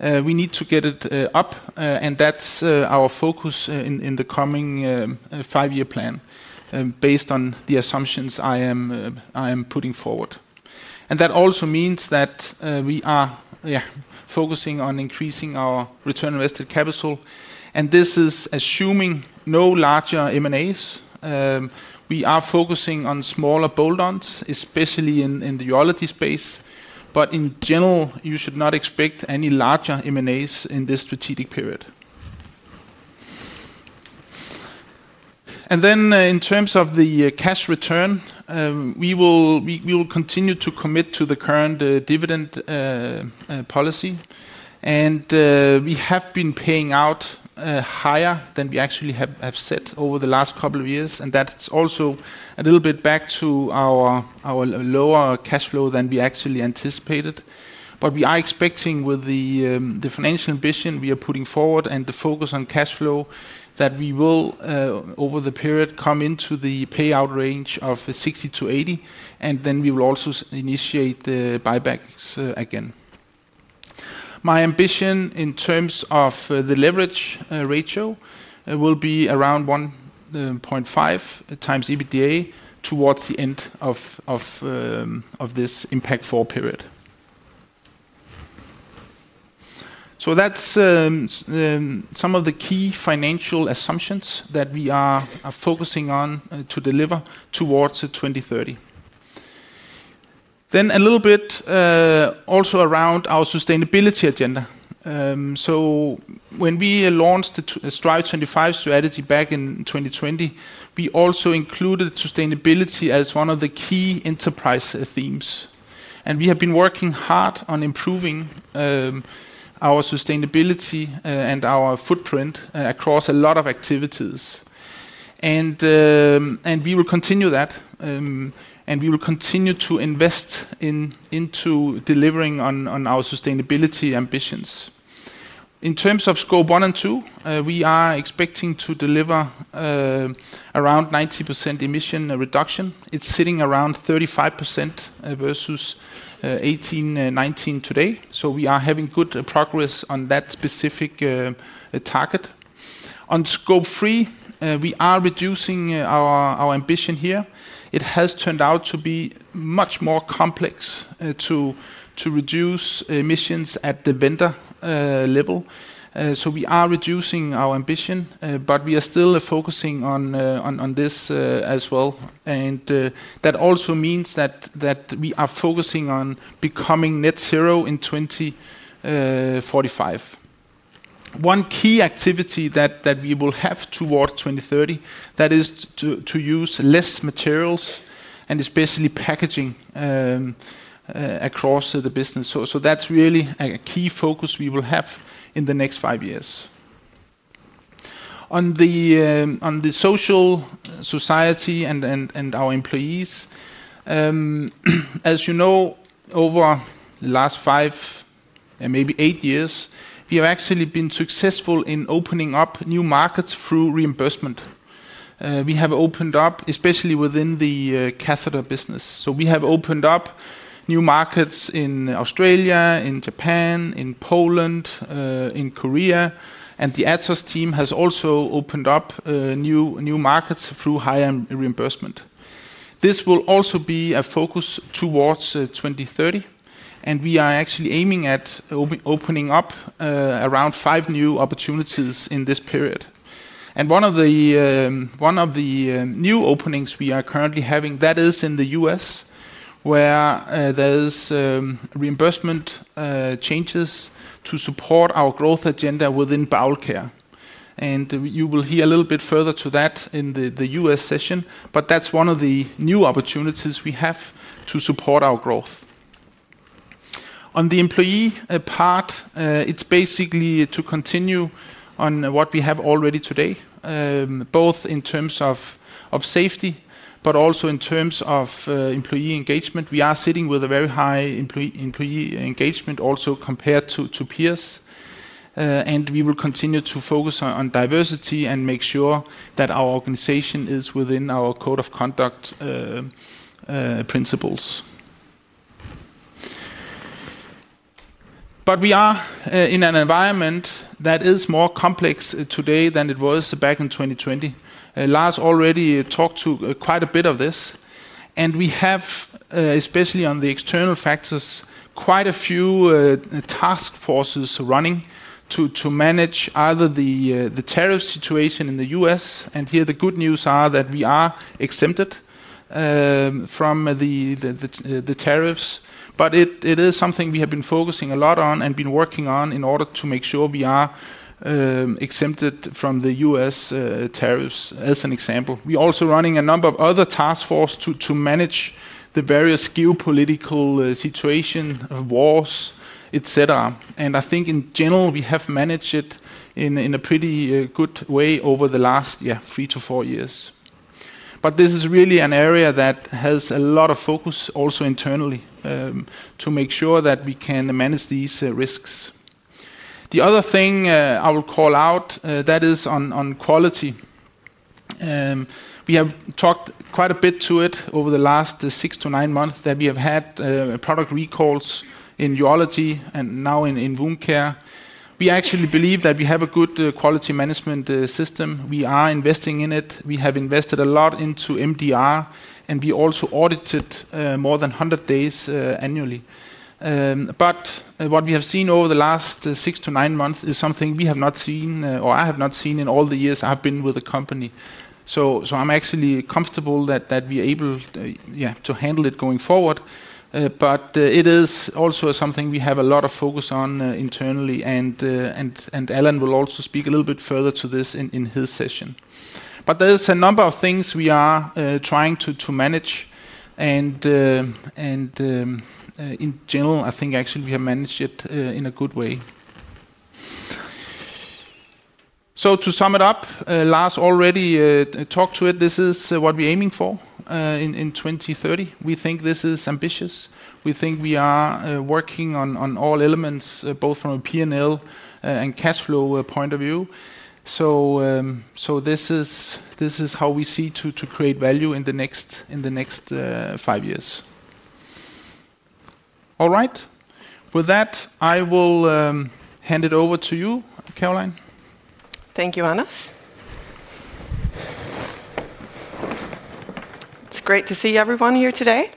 We need to get it up. That's our focus in the coming five-year plan based on the assumptions I am putting forward. That also means that we are focusing on increasing our return on invested capital. This is assuming no larger M&As. We are focusing on smaller bolt-ons, especially in the urology space. In general, you should not expect any larger M&As in this strategic period. In terms of the cash return, we will continue to commit to the current dividend policy. We have been paying out higher than we actually have set over the last couple of years. That's also a little bit back to our lower cash flow than we actually anticipated. We are expecting with the financial ambition we are putting forward and the focus on cash flow that we will, over the period, come into the payout range of 60-80. We will also initiate the buybacks again. My ambition in terms of the leverage ratio will be around 1.5x EBITDA towards the end of this impact for period. That's some of the key financial assumptions that we are focusing on to deliver towards 2030. A little bit also around our sustainability agenda. When we launched the Strive25 strategy back in 2020, we also included sustainability as one of the key enterprise themes. We have been working hard on improving our sustainability and our footprint across a lot of activities. We will continue that. We will continue to invest into delivering on our sustainability ambitions. In terms of Scope 1 and 2, we are expecting to deliver around 90% emission reduction. It is sitting around 35% versus 2018/2019 today. We are having good progress on that specific target. On Scope 3, we are reducing our ambition here. It has turned out to be much more complex to reduce emissions at the vendor level. We are reducing our ambition, but we are still focusing on this as well. That also means that we are focusing on becoming net zero in 2045. One key activity that we will have toward 2030 is to use less materials and especially packaging across the business. That is really a key focus we will have in the next five years. On the social society and our employees, as you know, over the last five and maybe eight years, we have actually been successful in opening up new markets through reimbursement. We have opened up, especially within the catheter business. We have opened up new markets in Australia, in Japan, in Poland, in Korea. The Atos team has also opened up new markets through higher reimbursement. This will also be a focus towards 2030. We are actually aiming at opening up around five new opportunities in this period. One of the new openings we are currently having is in the U.S., where there are reimbursement changes to support our growth agenda within Bowel Care. You will hear a little bit further to that in the U.S. session. That is one of the new opportunities we have to support our growth. On the employee part, it is basically to continue on what we have already today, both in terms of safety, but also in terms of employee engagement. We are sitting with a very high employee engagement also compared to peers. We will continue to focus on diversity and make sure that our organization is within our code of conduct principles. We are in an environment that is more complex today than it was back in 2020. Lars already talked to quite a bit of this. We have, especially on the external factors, quite a few task forces running to manage either the tariff situation in the U.S. The good news is that we are exempted from the tariffs. It is something we have been focusing a lot on and been working on in order to make sure we are exempted from the U.S. tariffs, as an example. We are also running a number of other task forces to manage the various geopolitical situations, wars, etc. I think in general, we have managed it in a pretty good way over the last three to four years. This is really an area that has a lot of focus also internally to make sure that we can manage these risks. The other thing I will call out is on quality. We have talked quite a bit to it over the last six to nine months that we have had product recalls in urology and now in Wound Care. We actually believe that we have a good quality management system. We are investing in it. We have invested a lot into MDR, and we also audit it more than 100 days annually. What we have seen over the last six to nine months is something we have not seen or I have not seen in all the years I've been with the company. I'm actually comfortable that we're able to handle it going forward. It is also something we have a lot of focus on internally. Allan will also speak a little bit further to this in his session. There are a number of things we are trying to manage. In general, I think actually we have managed it in a good way. To sum it up, Lars already talked to it. This is what we're aiming for in 2030. We think this is ambitious. We think we are working on all elements, both from a P&L and cash flow point of view. This is how we see to create value in the next five years. All right. With that, I will hand it over to you, Caroline. Thank you, Anders. It's great to see everyone here today.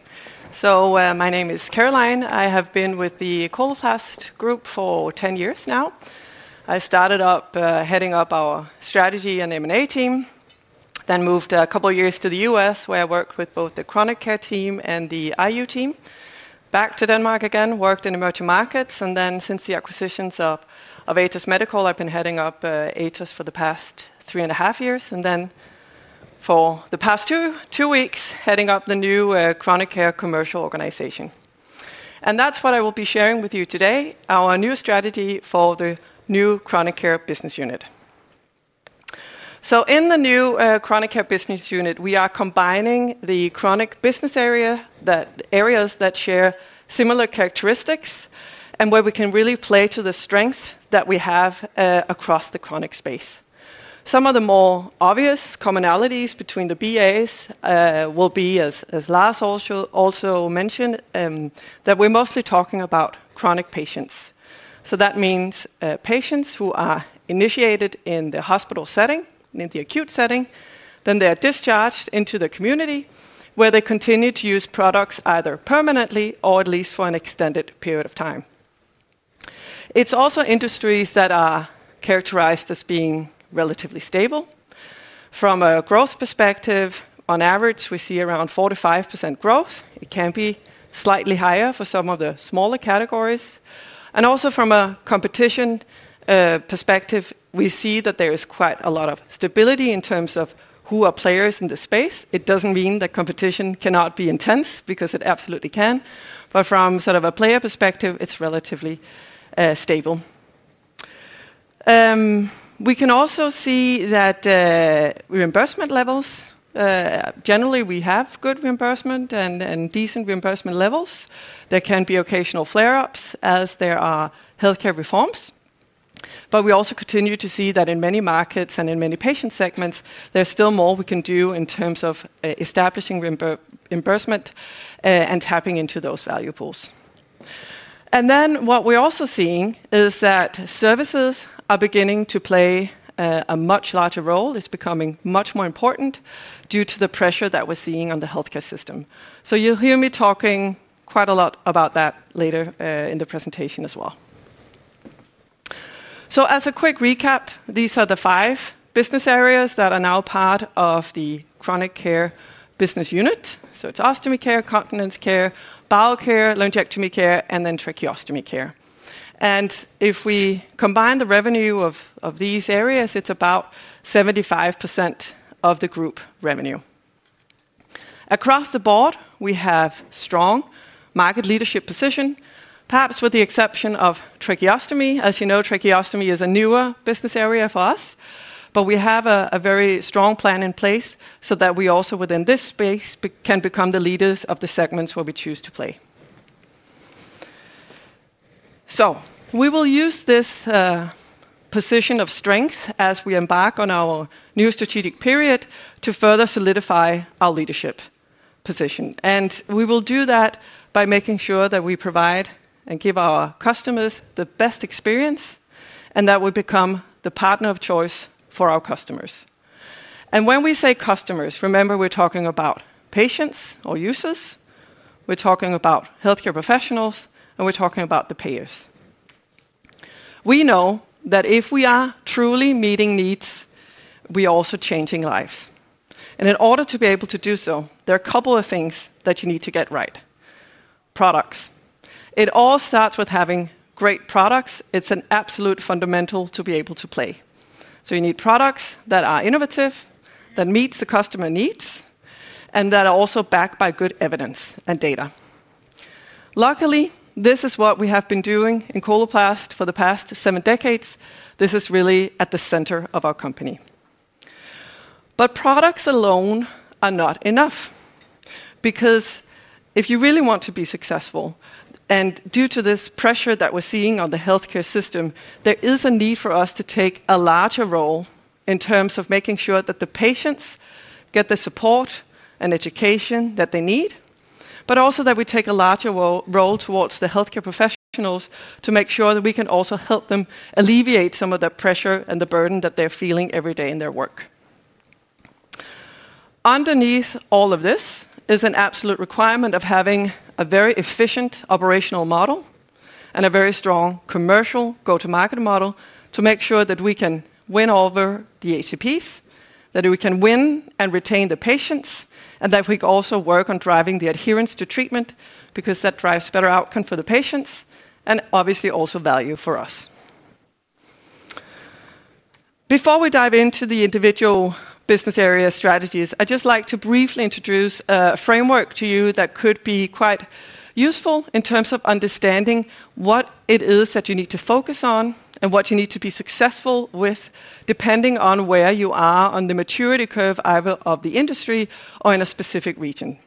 My name is Caroline. I have been with the Coloplast Group for 10 years now. I started heading up our Strategy and M&A team, then moved a couple of years to the U.S. where I worked with both the Chronic Care team and the IU team. Back to Denmark, again, worked in Emerging Markets. Since the acquisition of Atos Medical, I've been heading up Atos for the past three and a half years. For the past two weeks, heading up the new Chronic Care Commercial organization. That's what I will be sharing with you today, our new strategy for the new Chronic Care business unit. In the new Chronic Care business unit, we are combining the Chronic business areas, the areas that share similar characteristics, and where we can really play to the strengths that we have across the chronic space. Some of the more obvious commonalities between the BAs will be, as Lars also mentioned, that we're mostly talking about chronic patients. That means patients who are initiated in the hospital setting, in the acute setting, then they are discharged into the community where they continue to use products either permanently or at least for an extended period of time. It's also industries that are characterized as being relatively stable. From a growth perspective, on average, we see around 4%-5% growth. It can be slightly higher for some of the smaller categories. Also from a competition perspective, we see that there is quite a lot of stability in terms of who are players in the space. It doesn't mean that competition cannot be intense because it absolutely can. From a player perspective, it's relatively stable. We can also see that reimbursement levels, generally, we have good reimbursement and decent reimbursement levels. There can be occasional flare-ups as there are healthcare reforms. We also continue to see that in many markets and in many patient segments, there's still more we can do in terms of establishing reimbursement and tapping into those value pools. What we're also seeing is that services are beginning to play a much larger role. It's becoming much more important due to the pressure that we're seeing on the healthcare system. You'll hear me talking quite a lot about that later in the presentation as well. As a quick recap, these are the five business areas that are now part of the Chronic Care business unit. It's ostomy care, continence care, bowel care, laryngectomy care, and then tracheostomy Care. If we combine the revenue of these areas, it's about 75% of the group revenue. Across the board, we have a strong market leadership position, perhaps with the exception of tracheostomy. As you know, tracheostomy is a newer business area for us. We have a very strong plan in place so that we also, within this space, can become the leaders of the segments where we choose to play. We will use this position of strength as we embark on our new strategic period to further solidify our leadership position. We will do that by making sure that we provide and give our customers the best experience and that we become the partner of choice for our customers. When we say customers, remember we're talking about patients or users. We're talking about healthcare professionals, and we're talking about the payers. We know that if we are truly meeting needs, we are also changing lives. In order to be able to do so, there are a couple of things that you need to get right. Products. It all starts with having great products. It's an absolute fundamental to be able to play. You need products that are innovative, that meet the customer needs, and that are also backed by good evidence and data. Luckily, this is what we have been doing in Coloplast for the past seven decades. This is really at the center of our company. Products alone are not enough because if you really want to be successful, and due to this pressure that we're seeing on the healthcare system, there is a need for us to take a larger role in terms of making sure that the patients get the support and education that they need, but also that we take a larger role towards the healthcare professionals to make sure that we can also help them alleviate some of the pressure and the burden that they're feeling every day in their work. Underneath all of this is an absolute requirement of having a very efficient operational model and a very strong commercial go-to-market model to make sure that we can win over the ACPs, that we can win and retain the patients, and that we can also work on driving the adherence to treatment because that drives better outcomes for the patients and obviously also value for us. Before we dive into the individual business area strategies, I'd just like to briefly introduce a framework to you that could be quite useful in terms of understanding what it is that you need to focus on and what you need to be successful with, depending on where you are on the maturity curve either of the industry or in a specific region.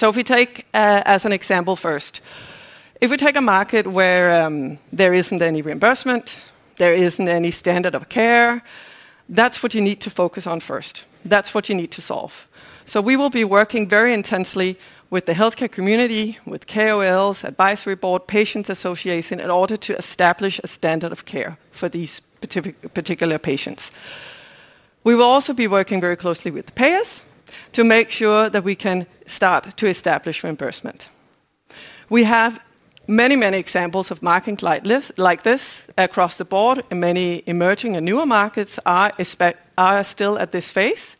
If we take as an example first, if we take a market where there isn't any reimbursement, there isn't any standard of care, that's what you need to focus on first. That's what you need to solve. We will be working very intensely with the healthcare community, with KOLs, Advisory Board, patients' association, in order to establish a standard of care for these particular patients. We will also be working very closely with the payers to make sure that we can start to establish reimbursement. We have many, many examples of marketing like this across the board, and many emerging and newer markets are still at this phase.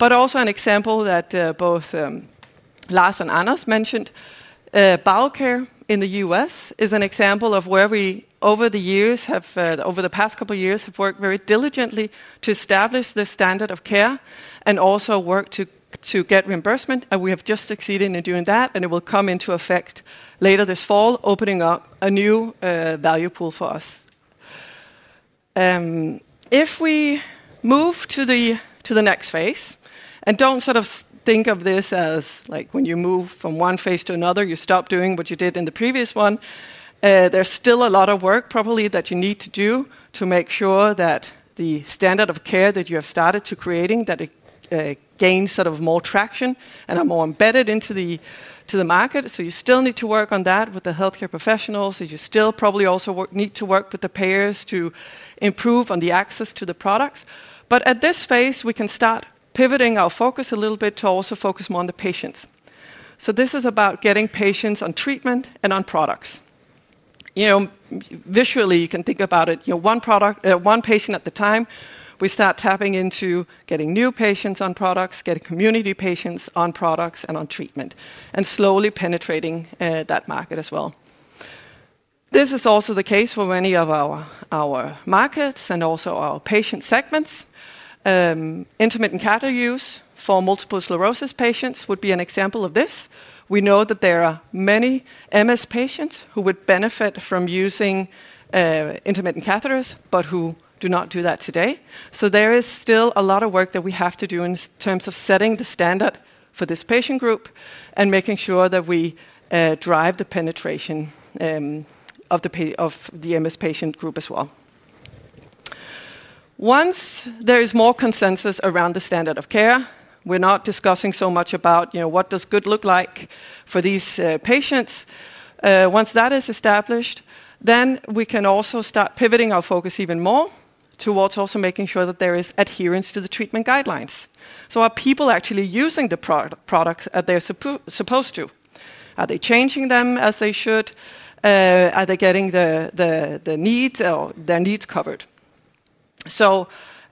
An example that both Lars and Anders mentioned, BioCare in the U.S., is an example of where we, over the past couple of years, worked very diligently to establish the standard of care and also worked to get reimbursement. We have just succeeded in doing that, and it will come into effect later this fall, opening up a new value pool for us. If we move to the next phase, and do not sort of think of this as like when you move from one phase to another, you stop doing what you did in the previous one. There is still a lot of work probably that you need to do to make sure that the standard of care that you have started creating gains more traction and is more embedded into the market. You still need to work on that with the healthcare professionals. You still probably also need to work with the payers to improve on the access to the products. At this phase, we can start pivoting our focus a little bit to also focus more on the patients. This is about getting patients on treatment and on products. Visually, you can think about it, one product, one patient at a time. We start tapping into getting new patients on products, getting community patients on products and on treatment, and slowly penetrating that market as well. This is also the case for many of our markets and also our patient segments. Intermittent catheter use for multiple sclerosis patients would be an example of this. We know that there are many MS patients who would benefit from using intermittent catheters, but who do not do that today. There is still a lot of work that we have to do in terms of setting the standard for this patient group and making sure that we drive the penetration of the MS patient group as well. Once there is more consensus around the standard of care, we are not discussing so much about what does good look like for these patients. Once that is established, we can also start pivoting our focus even more towards also making sure that there is adherence to the treatment guidelines. Are people actually using the products as they are supposed to? Are they changing them as they should? Are they getting the needs or their needs covered?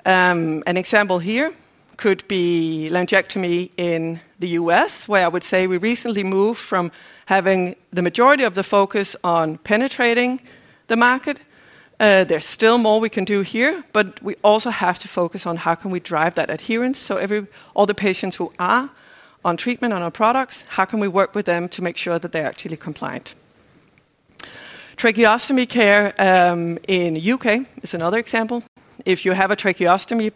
An example here could be laryngectomy in the U.S., where I would say we recently moved from having the majority of the focus on penetrating the market. There's still more we can do here, but we also have to focus on how we can drive that adherence. All the patients who are on treatment and on products, how can we work with them to make sure that they're actually compliant? Tracheostomy Care in the U.K. is another example. If you have a tracheostomy,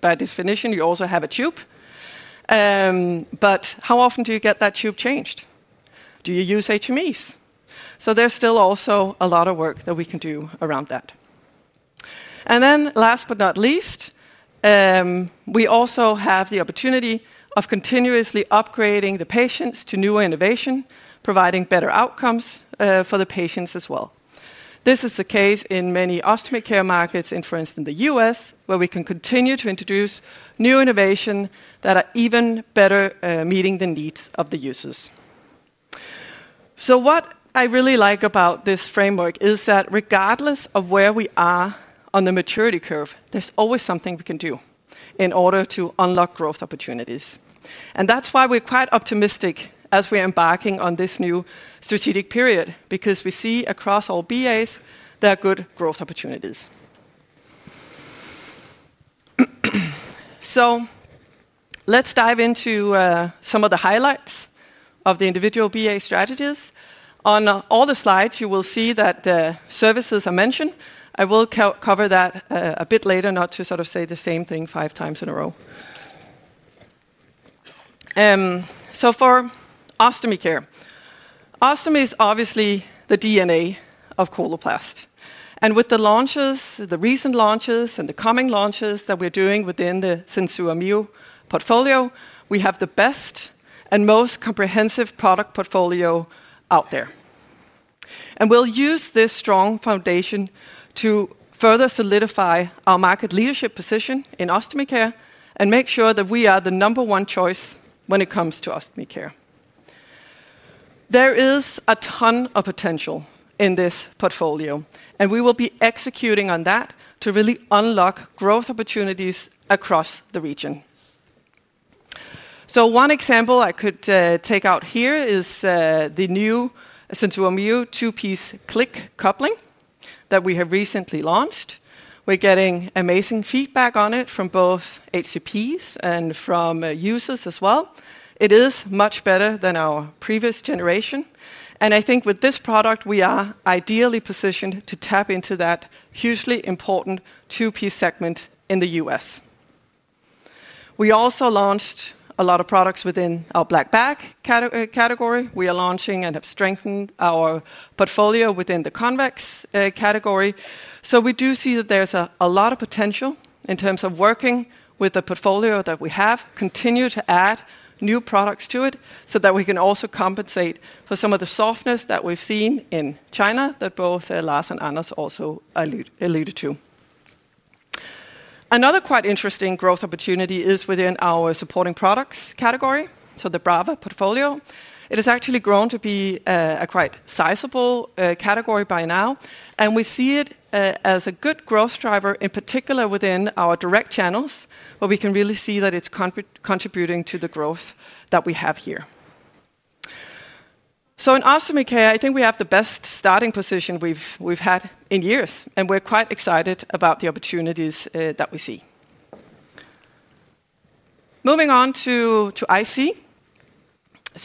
by definition, you also have a tube. How often do you get that tube changed? Do you use HMEs? There is still also a lot of work that we can do around that. Last but not least, we also have the opportunity of continuously upgrading the patients to newer innovation, providing better outcomes for the patients as well. This is the case in many Ostomy Care markets, for instance, in the U.S., where we can continue to introduce new innovations that are even better at meeting the needs of the users. What I really like about this framework is that regardless of where we are on the maturity curve, there's always something we can do in order to unlock growth opportunities. That's why we're quite optimistic as we're embarking on this new strategic period, because we see across all BAs there are good growth opportunities. Let's dive into some of the highlights of the individual BA strategies. On all the slides, you will see that services are mentioned. I will cover that a bit later, not to sort of say the same thing 5x in a row. For Ostomy Care, ostomy is obviously the DNA of Coloplast. With the launches, the recent launches and the coming launches that we're doing within the SenSura Mio portfolio, we have the best and most comprehensive product portfolio out there. We'll use this strong foundation to further solidify our market leadership position in Ostomy Care and make sure that we are the number one choice when it comes to Ostomy Care. There is a ton of potential in this portfolio, and we will be executing on that to really unlock growth opportunities across the region. One example I could take out here is the new SenSura Mio two-piece click coupling that we have recently launched. We're getting amazing feedback on it from both HCPs and from users as well. It is much better than our previous generation. I think with this product, we are ideally positioned to tap into that hugely important two-piece segment in the U.S. We also launched a lot of products within our black bag category. We are launching and have strengthened our portfolio within the convex category. We do see that there's a lot of potential in terms of working with the portfolio that we have, continue to add new products to it so that we can also compensate for some of the softness that we've seen in China that both Lars and Anders also alluded to. Another quite interesting growth opportunity is within our supporting products category, so the Brava portfolio. It has actually grown to be a quite sizable category by now. We see it as a good growth driver, in particular within our direct channels, where we can really see that it's contributing to the growth that we have here. In Ostomy Care, I think we have the best starting position we've had in years, and we're quite excited about the opportunities that we see. Moving on to IC.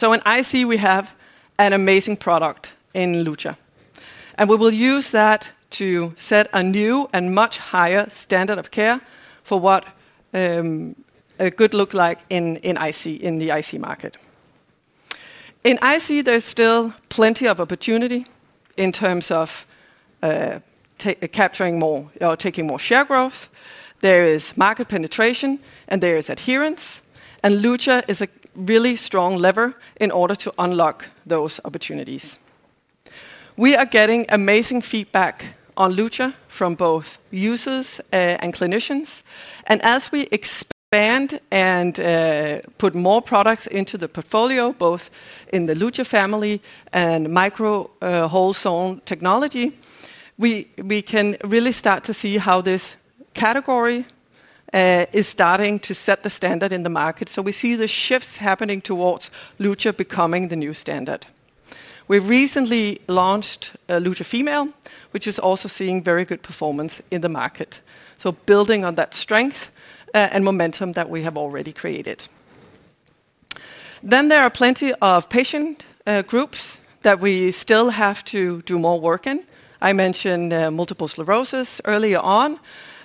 In IC, we have an amazing product in Luja. We will use that to set a new and much higher standard of care for what good looks like in the IC market. In IC, there's still plenty of opportunity in terms of capturing more or taking more share growth. There is market penetration, and there is adherence. Luja is a really strong lever in order to unlock those opportunities. We are getting amazing feedback on Luja from both users and clinicians. As we expand and put more products into the portfolio, both in the Luja family and Micro-hole Zone Technology, we can really start to see how this category is starting to set the standard in the market. We see the shifts happening towards Luja becoming the new standard. We recently launched Luja Female, which is also seeing very good performance in the market, building on that strength and momentum that we have already created. There are plenty of patient groups that we still have to do more work in. I mentioned multiple sclerosis earlier on.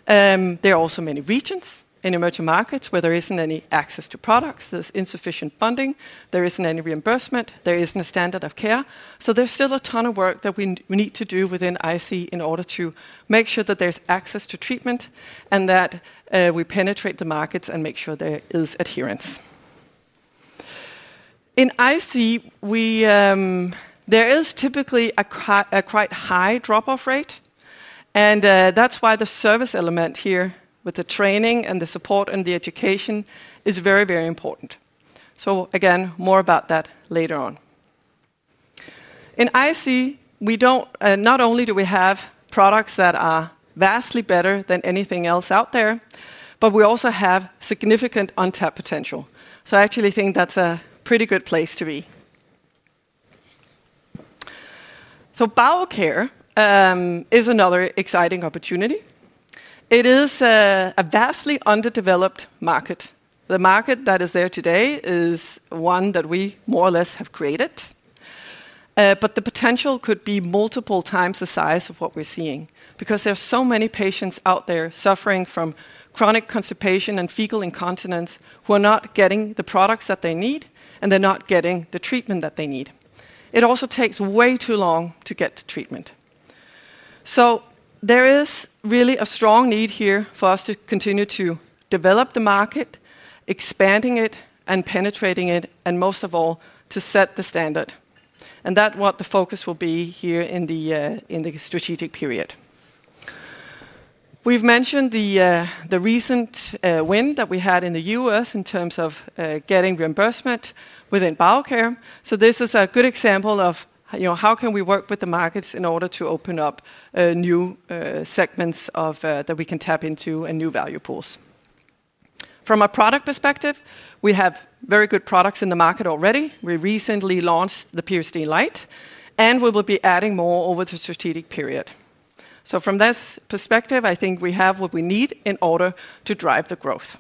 There are also many regions in emerging markets where there isn't any access to products. There's insufficient funding. There isn't any reimbursement. There isn't a standard of care. There's still a ton of work that we need to do within IC in order to make sure that there's access to treatment and that we penetrate the markets and make sure there is adherence. In IC, there is typically a quite high drop-off rate. That's why the service element here with the training and the support and the education is very, very important. More about that later on. In IC, not only do we have products that are vastly better than anything else out there, but we also have significant untapped potential. I actually think that's a pretty good place to be. BioCare is another exciting opportunity. It is a vastly underdeveloped market. The market that is there today is one that we more or less have created. The potential could be multiple times the size of what we're seeing because there are so many patients out there suffering from chronic constipation and fecal incontinence who are not getting the products that they need, and they're not getting the treatment that they need. It also takes way too long to get to treatment. There is really a strong need here for us to continue to develop the market, expanding it, and penetrating it, and most of all, to set the standard. That's what the focus will be here in the strategic period. We've mentioned the recent win that we had in the U.S. in terms of getting reimbursement within BioCare. This is a good example of how we can work with the markets in order to open up new segments that we can tap into and new value pools. From a product perspective, we have very good products in the market already. We recently launched the Peristeen Light, and we will be adding more over the strategic period. From this perspective, I think we have what we need in order to drive the growth.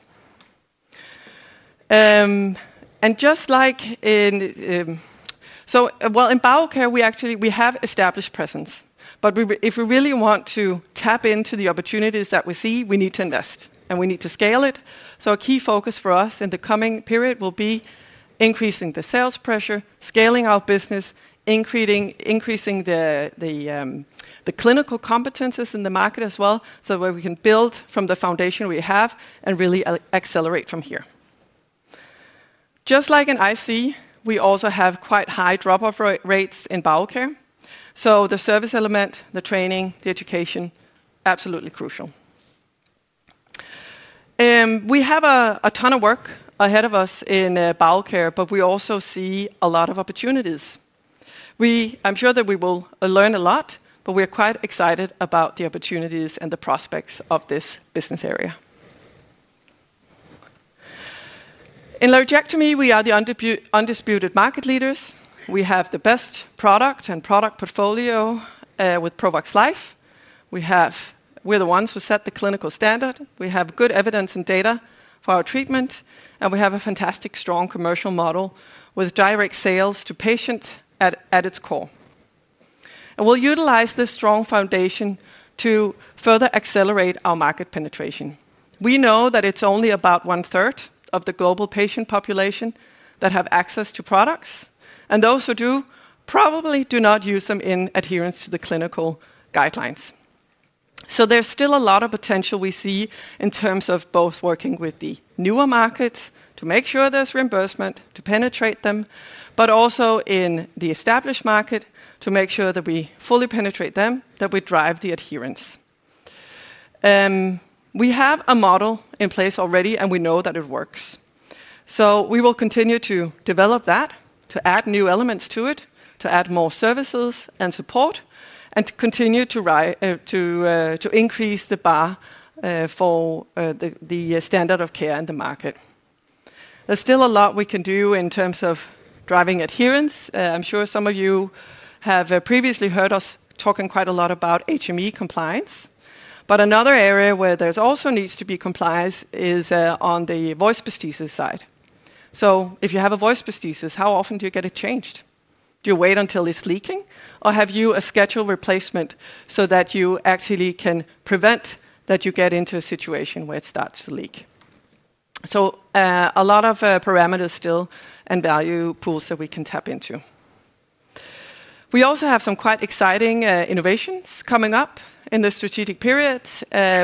In BioCare, we actually have established presence. If we really want to tap into the opportunities that we see, we need to invest, and we need to scale it. A key focus for us in the coming period will be increasing the sales pressure, scaling our business, increasing the clinical competencies in the market as well, so that we can build from the foundation we have and really accelerate from here. Just like in IC, we also have quite high drop-off rates in BioCare. The service element, the training, the education, absolutely crucial. We have a ton of work ahead of us in BioCare, but we also see a lot of opportunities. I'm sure that we will learn a lot, but we're quite excited about the opportunities and the prospects of this business area. In laryngectomy, we are the undisputed market leaders. We have the best product and product portfolio with Provox Life. We're the ones who set the clinical standard. We have good evidence and data for our treatment, and we have a fantastic strong commercial model with direct sales to patients at its core. We will utilize this strong foundation to further accelerate our market penetration. We know that it's only about one-third of the global patient population that has access to products, and those who do probably do not use them in adherence to the clinical guidelines. There is still a lot of potential we see in terms of both working with the newer markets to make sure there's reimbursement, to penetrate them, but also in the established market to make sure that we fully penetrate them, that we drive the adherence. We have a model in place already, and we know that it works. We will continue to develop that, to add new elements to it, to add more services and support, and to continue to increase the bar for the standard of care in the market. There is still a lot we can do in terms of driving adherence. I'm sure some of you have previously heard us talking quite a lot about HME compliance. Another area where there also needs to be compliance is on the voice prosthesis side. If you have a voice prosthesis, how often do you get it changed? Do you wait until it's leaking, or have you scheduled a replacement so that you actually can prevent that you get into a situation where it starts to leak? There are a lot of parameters still and value pools that we can tap into. We also have some quite exciting innovations coming up in the strategic period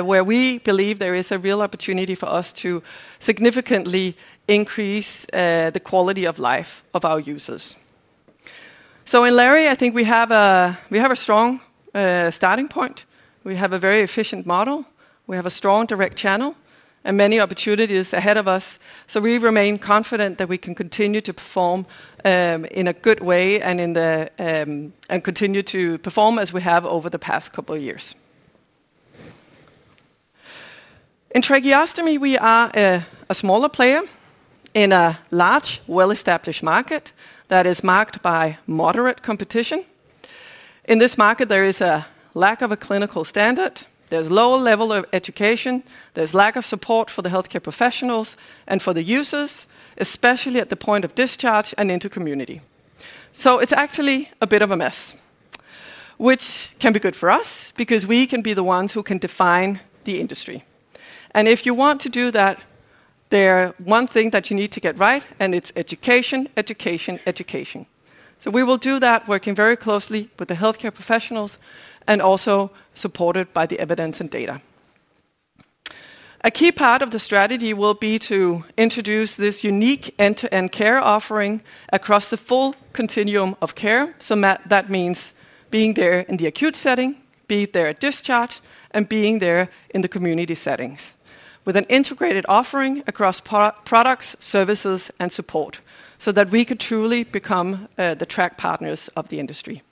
where we believe there is a real opportunity for us to significantly increase the quality of life of our users. In lary, I think we have a strong starting point. We have a very efficient model. We have a strong direct channel and many opportunities ahead of us. We remain confident that we can continue to perform in a good way and continue to perform as we have over the past couple of years. In tracheostomy, we are a smaller player in a large, well-established market that is marked by moderate competition. In this market, there is a lack of a clinical standard. There is a low level of education. There is a lack of support for the healthcare professionals and for the users, especially at the point of discharge and into community. It is actually a bit of a mess, which can be good for us because we can be the ones who can define the industry. If you want to do that, there is one thing that you need to get right, and it's education, education, education. We will do that working very closely with the healthcare professionals and also supported by the evidence and data. A key part of the strategy will be to introduce this unique end-to-end care offering across the full continuum of care. That means being there in the acute setting, being there at discharge, and being there in the community settings with an integrated offering across products, services, and support so that we could truly become the track partners of the industry.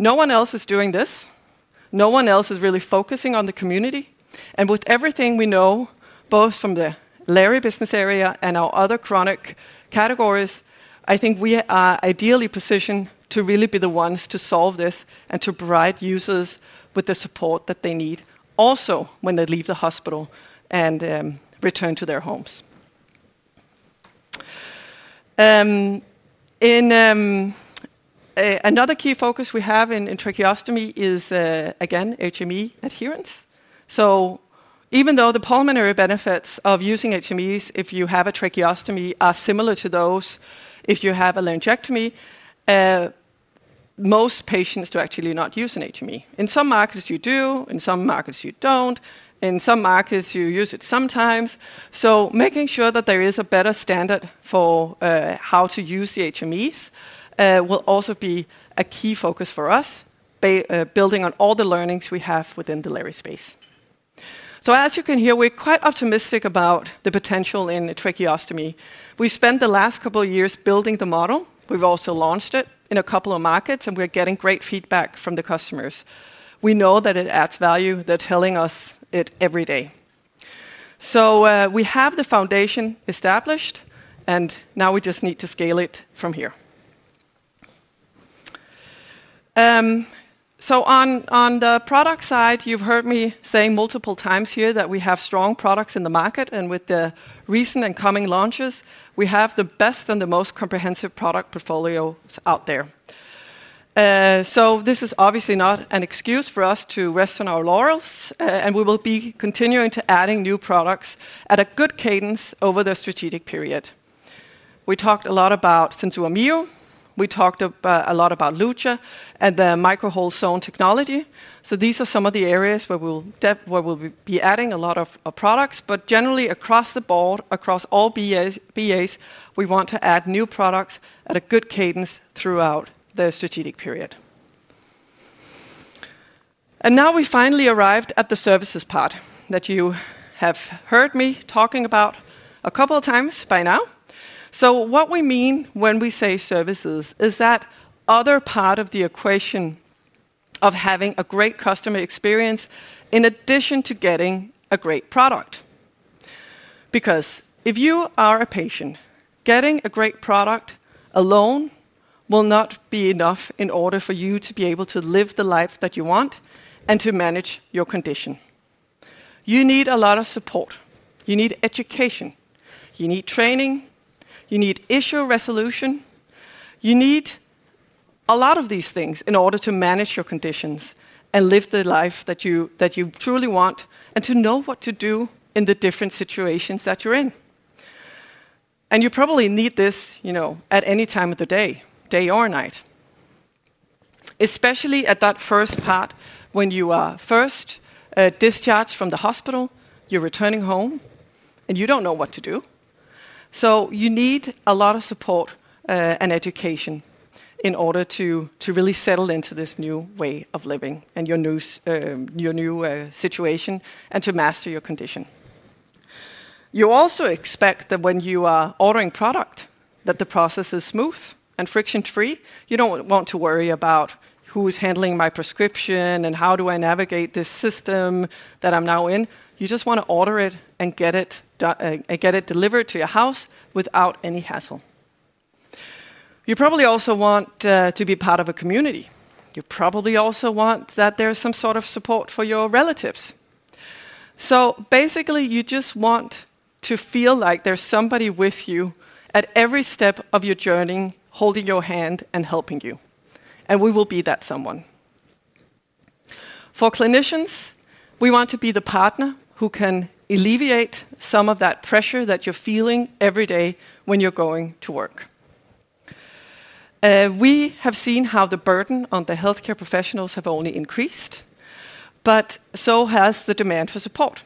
No one else is doing this. No one else is really focusing on the community. With everything we know, both from the lary business area and our other chronic categories, I think we are ideally positioned to really be the ones to solve this and to provide users with the support that they need, also when they leave the hospital and return to their homes. Another key focus we have in tracheostomy is, again, HME adherence. Even though the pulmonary benefits of using HMEs, if you have a tracheostomy, are similar to those if you have a laryngectomy, most patients do actually not use an HME. In some markets, you do. In some markets, you don't. In some markets, you use it sometimes. Making sure that there is a better standard for how to use the HMEs will also be a key focus for us, building on all the learnings we have within the lary space. As you can hear, we're quite optimistic about the potential in tracheostomy. We spent the last couple of years building the model. We've also launched it in a couple of markets, and we're getting great feedback from the customers. We know that it adds value. They're telling us it every day. We have the foundation established, and now we just need to scale it from here. On the product side, you've heard me say multiple times here that we have strong products in the market. With the recent and coming launches, we have the best and the most comprehensive product portfolios out there. This is obviously not an excuse for us to rest on our laurels, and we will be continuing to add new products at a good cadence over the strategic period. We talked a lot about SenSura Mio; we talked a lot about Luja and the Micro-hole Zone Technology. These are some of the areas where we'll be adding a lot of products. Generally, across the board, across all BAs, we want to add new products at a good cadence throughout the strategic period. Now we finally arrived at the services part that you have heard me talking about a couple of times by now. What we mean when we say services is that other part of the equation of having a great customer experience in addition to getting a great product. If you are a patient, getting a great product alone will not be enough in order for you to be able to live the life that you want and to manage your condition. You need a lot of support. You need education. You need training. You need issue resolution. You need a lot of these things in order to manage your conditions and live the life that you truly want and to know what to do in the different situations that you're in. You probably need this at any time of the day, day or night, especially at that first part when you are first discharged from the hospital, you're returning home, and you don't know what to do. You need a lot of support and education in order to really settle into this new way of living and your new situation and to master your condition. You also expect that when you are ordering product, the process is smooth and friction-free. You don't want to worry about who's handling my prescription and how do I navigate this system that I'm now in. You just want to order it and get it delivered to your house without any hassle. You probably also want to be part of a community. You probably also want that there's some sort of support for your relatives. Basically, you just want to feel like there's somebody with you at every step of your journey, holding your hand and helping you. We will be that someone. For clinicians, we want to be the partner who can alleviate some of that pressure that you're feeling every day when you're going to work. We have seen how the burden on the healthcare professionals has only increased, but so has the demand for support.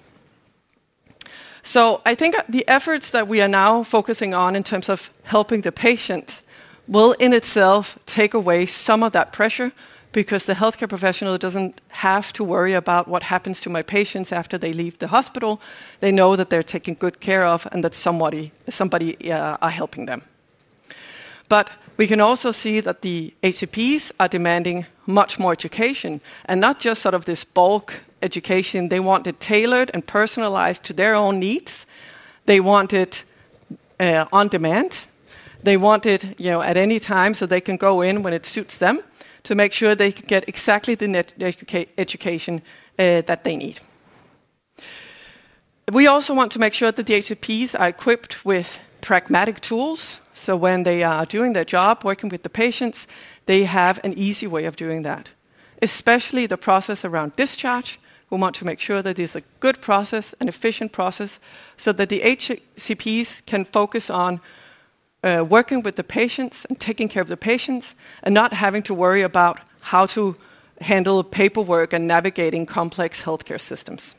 I think the efforts that we are now focusing on in terms of helping the patient will in itself take away some of that pressure because the healthcare professional doesn't have to worry about what happens to my patients after they leave the hospital. They know that they're taken good care of and that somebody is helping them. We can also see that the HCPs are demanding much more education and not just sort of this bulk education. They want it tailored and personalized to their own needs. They want it on demand. They want it at any time so they can go in when it suits them to make sure they get exactly the education that they need. We also want to make sure that the HCPs are equipped with pragmatic tools, so when they are doing their job working with the patients, they have an easy way of doing that, especially the process around discharge. We want to make sure that it's a good process, an efficient process, so that the HCPs can focus on working with the patients and taking care of the patients and not having to worry about how to handle paperwork and navigating complex healthcare systems.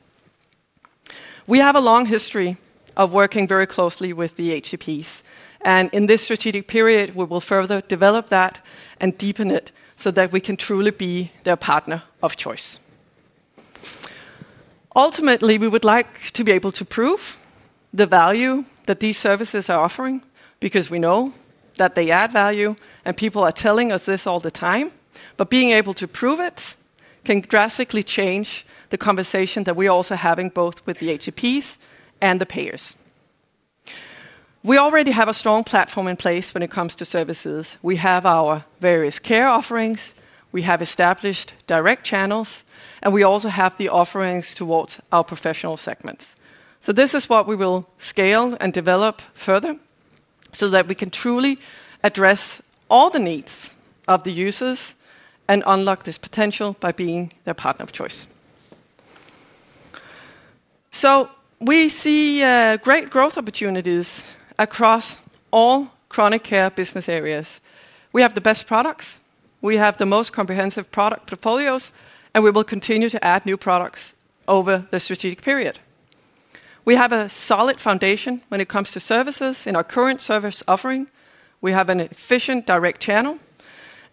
We have a long history of working very closely with the HCPs, and in this strategic period, we will further develop that and deepen it so that we can truly be their partner of choice. Ultimately, we would like to be able to prove the value that these services are offering because we know that they add value, and people are telling us this all the time. Being able to prove it can drastically change the conversation that we're also having both with the HCPs and the payers. We already have a strong platform in place when it comes to services. We have our various care offerings. We have established direct channels, and we also have the offerings towards our professional segments. This is what we will scale and develop further so that we can truly address all the needs of the users and unlock this potential by being their partner of choice. We see great growth opportunities across all Chronic Care business areas. We have the best products. We have the most comprehensive product portfolios, and we will continue to add new products over the strategic period. We have a solid foundation when it comes to services in our current service offering. We have an efficient direct channel,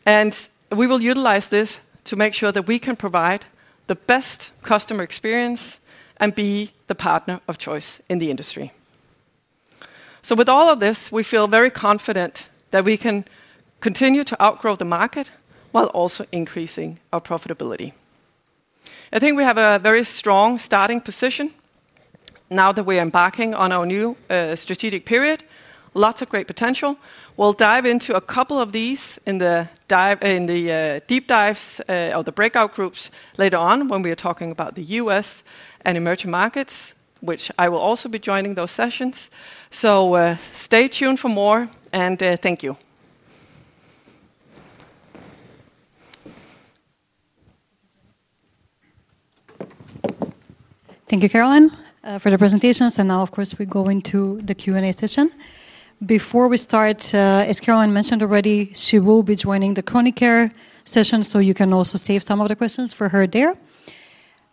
and we will utilize this to make sure that we can provide the best customer experience and be the partner of choice in the industry. With all of this, we feel very confident that we can continue to outgrow the market while also increasing our profitability. I think we have a very strong starting position now that we're embarking on our new strategic period. Lots of great potential. We'll dive into a couple of these in the deep dives or the breakout groups later on when we are talking about the U.S. and emerging markets, which I will also be joining those sessions. Stay tuned for more, and thank you. Thank you, Caroline, for the presentations. Now, of course, we go into the Q&A session. Before we start, as Caroline mentioned already, she will be joining the Chronic Care session, so you can also save some of the questions for her there.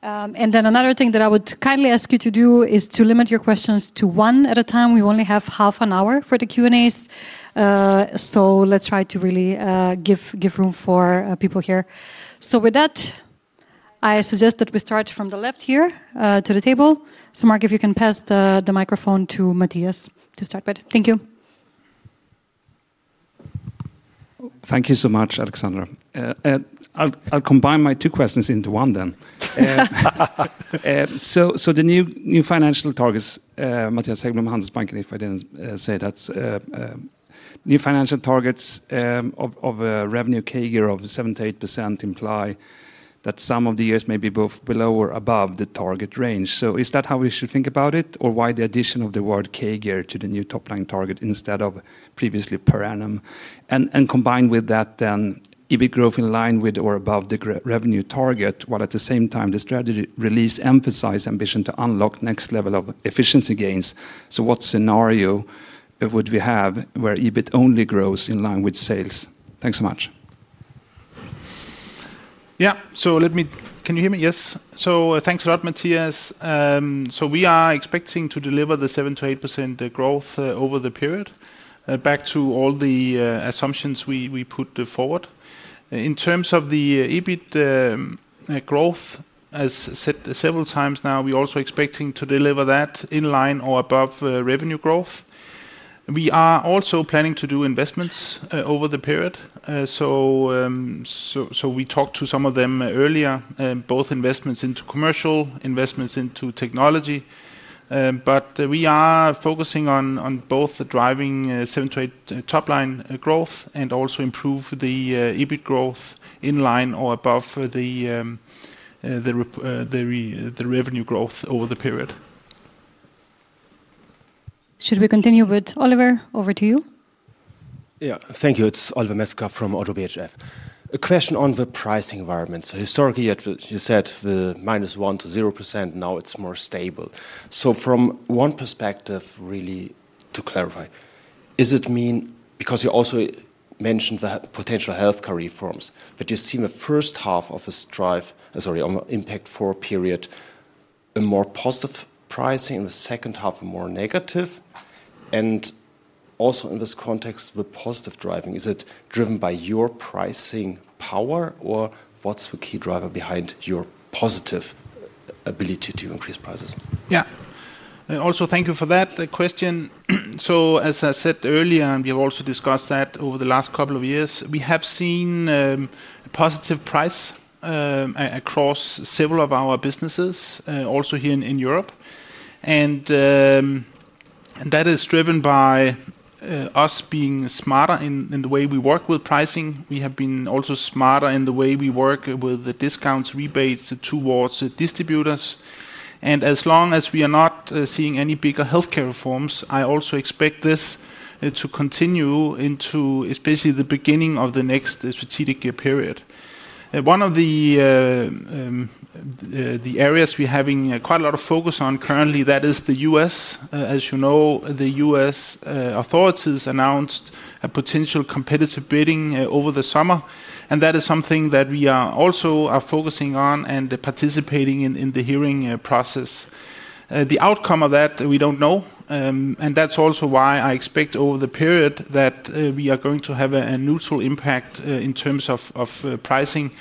Another thing that I would kindly ask you to do is to limit your questions to one at a time. We only have half an hour for the Q&As, so let's try to really give room for people here. With that, I suggest that we start from the left here to the table. Mark, if you can pass the microphone to Mattias to start with. Thank you. Thank you so much, Aleksandra. I'll combine my two questions into one then. The new financial targets, Mattias Häggblom, Handelsbanken, if I didn't say that, new financial targets of revenue CAGR of 7%-8% imply that some of the years may be both below or above the target range. Is that how we should think about it, or why the addition of the word CAGR to the new top-line target instead of previously per annum? Combined with that, if it grows in line with or above the revenue target, while at the same time the strategy release emphasizes ambition to unlock next level of efficiency gains, what scenario would we have where EBIT only grows in line with sales? Thanks so much. Yeah, let me, can you hear me? Yes. Thanks a lot, Matthias. We are expecting to deliver the 7%-8% growth over the period, back to all the assumptions we put forward. In terms of the EBIT growth, as said several times now, we're also expecting to deliver that in line or above revenue growth. We are also planning to do investments over the period. We talked to some of them earlier, both investments into commercial, investments into technology. We are focusing on both driving 7%-8% top-line growth and also improving the EBIT growth in line or above the revenue growth over the period. Should we continue with Oliver? Over to you. Thank you. It's Oliver Metzger from ODDO BHF. A question on the pricing environment. Historically, you said the -1% to 0%, now it's more stable. From one perspective, really to clarify, does it mean, because you also mentioned the potential healthcare reforms, that you see in the first half of this drive, sorry, on the impact for a period, a more positive pricing and the second half a more negative? Also in this context, the positive driving, is it driven by your pricing power or what's the key driver behind your positive ability to increase prices? Yeah, thank you for that question. As I said earlier, and we have also discussed over the last couple of years, we have seen a positive price across several of our businesses, also here in Europe. That is driven by us being smarter in the way we work with pricing. We have also been smarter in the way we work with the discounts, rebates towards distributors. As long as we are not seeing any bigger healthcare reforms, I also expect this to continue into especially the beginning of the next strategic period. One of the areas we're having quite a lot of focus on currently is the U.S. As you know, the U.S. authorities announced a potential competitive bidding over the summer. That is something that we also are focusing on and participating in the hearing process. The outcome of that, we don't know. That's also why I expect over the period that we are going to have a neutral impact in terms of pricing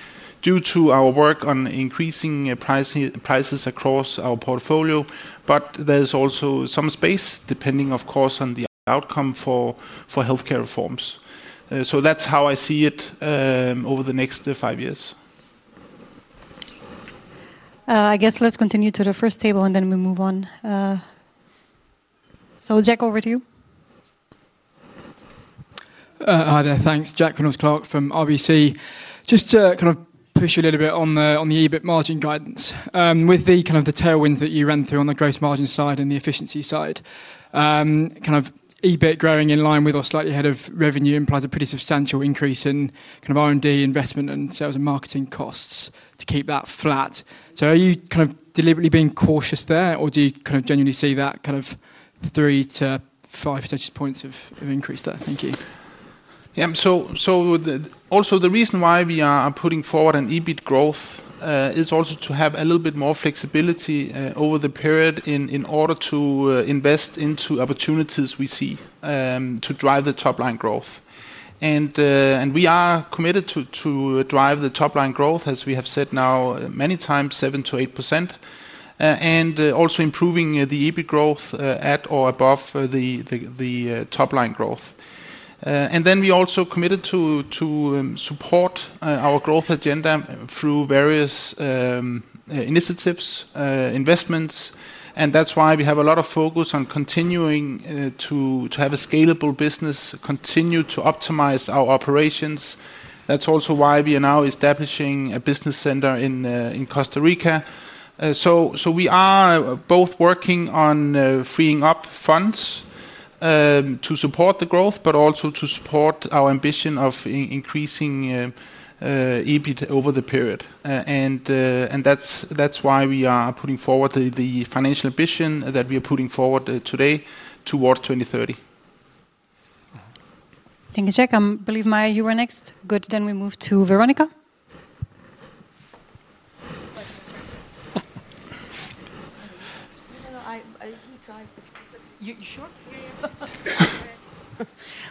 due to our work on increasing prices across our portfolio. There is also some space, depending, of course, on the outcome for healthcare reforms. That's how I see it over the next five years. I guess let's continue to the first table, and then we move on. Jack, over to you. Thanks, Jack Clark from RBC. Just to kind of push you a little bit on the EBIT margin guidance, with the kind of the tailwinds that you ran through on the gross margin side and the efficiency side, kind of EBIT growing in line with or slightly ahead of revenue implies a pretty substantial increase in kind of R&D investment and sales and marketing costs to keep that flat. Are you kind of deliberately being cautious there, or do you kind of genuinely see that kind of the 3%-5% of increase there? Thank you. Yeah, also the reason why we are putting forward an EBIT growth is to have a little bit more flexibility over the period in order to invest into opportunities we see to drive the top-line growth. We are committed to drive the top-line growth, as we have said now many times, 7%-8%, and also improving the EBIT growth at or above the top-line growth. We are also committed to support our growth agenda through various initiatives and investments. That is why we have a lot of focus on continuing to have a scalable business and continue to optimize our operations. That is also why we are now establishing a business center in Costa Rica. We are both working on freeing up funds to support the growth, but also to support our ambition of increasing EBIT over the period. That is why we are putting forward the financial ambition that we are putting forward today towards 2030. Thank you, Jack. I believe, Maya, you were next. Good. We move to Veronika. Sorry, I hear you drive. You're sure?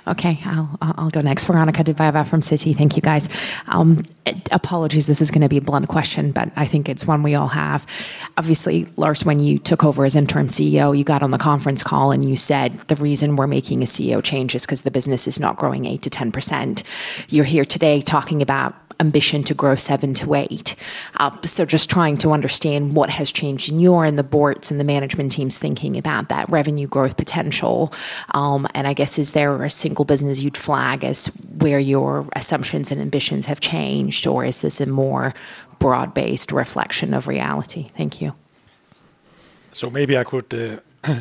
Okay, I'll go next. Veronika Dubajova from Citi. Thank you, guys. Apologies, this is going to be a blunt question, but I think it's one we all have. Obviously, Lars, when you took over as interim CEO, you got on the conference call and you said the reason we're making a CEO change is because the business is not growing 8%-10%. You're here today talking about ambition to grow 7%-8%. Just trying to understand what has changed in your and the Board's and the Management team's thinking about that revenue growth potential. I guess, is there a single business you'd flag as where your assumptions and ambitions have changed, or is this a more broad-based reflection of reality? Thank you. Maybe I could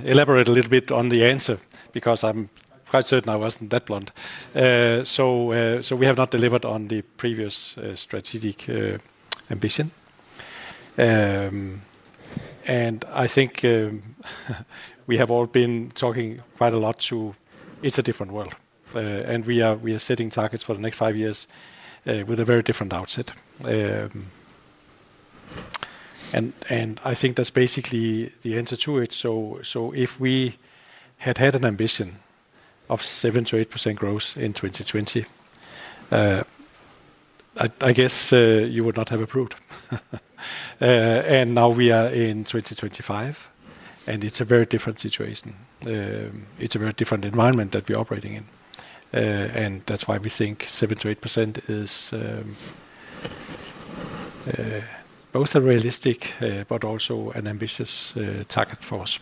elaborate a little bit on the answer because I'm quite certain I wasn't that blunt. We have not delivered on the previous strategic ambition. I think we have all been talking quite a lot to it's a different world. We are setting targets for the next five years with a very different outset. I think that's basically the answer to it. If we had had an ambition of 7%-8% growth in 2020, I guess you would not have approved. Now we are in 2025, and it's a very different situation. It's a very different environment that we're operating in. That's why we think 7%-8% is both a realistic but also an ambitious target for us.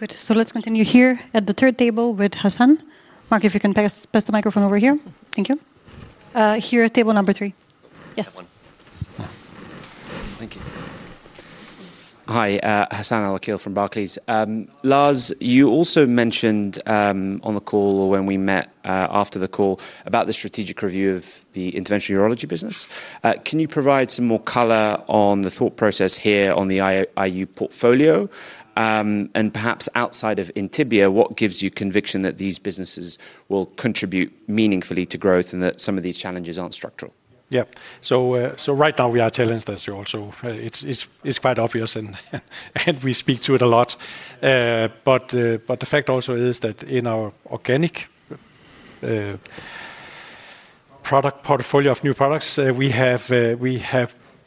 Good. Let's continue here at the third table with Hassan. Mark, if you can pass the microphone over here. Thank you. Here at table number three. Yes. Thank you. Hi, Hassan Al-Wakeel from Barclays. Lars, you also mentioned on the call or when we met after the call about the strategic review of the Interventional Urology business. Can you provide some more color on the thought process here on the IU portfolio? Perhaps outside of Intibia, what gives you conviction that these businesses will contribute meaningfully to growth and that some of these challenges aren't structural? Yeah, so right now we are tail ends, that's yours. It's quite obvious, and we speak to it a lot. The fact also is that in our organic product portfolio of new products, we have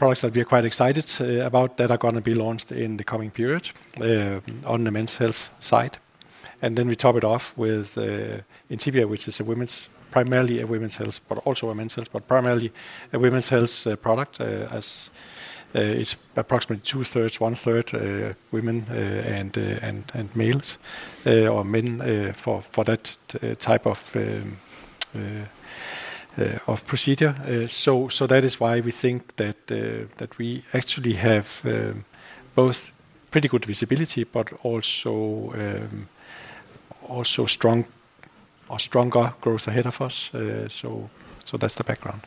products that we are quite excited about that are going to be launched in the coming period on the men's health side. We top it off with Intibia, which is primarily a women's health, but also a men's health, but primarily a women's health product. It's approximately 2/3, 1/3 women and men for that type of procedure. That is why we think that we actually have both pretty good visibility, but also stronger growth ahead of us. That's the background.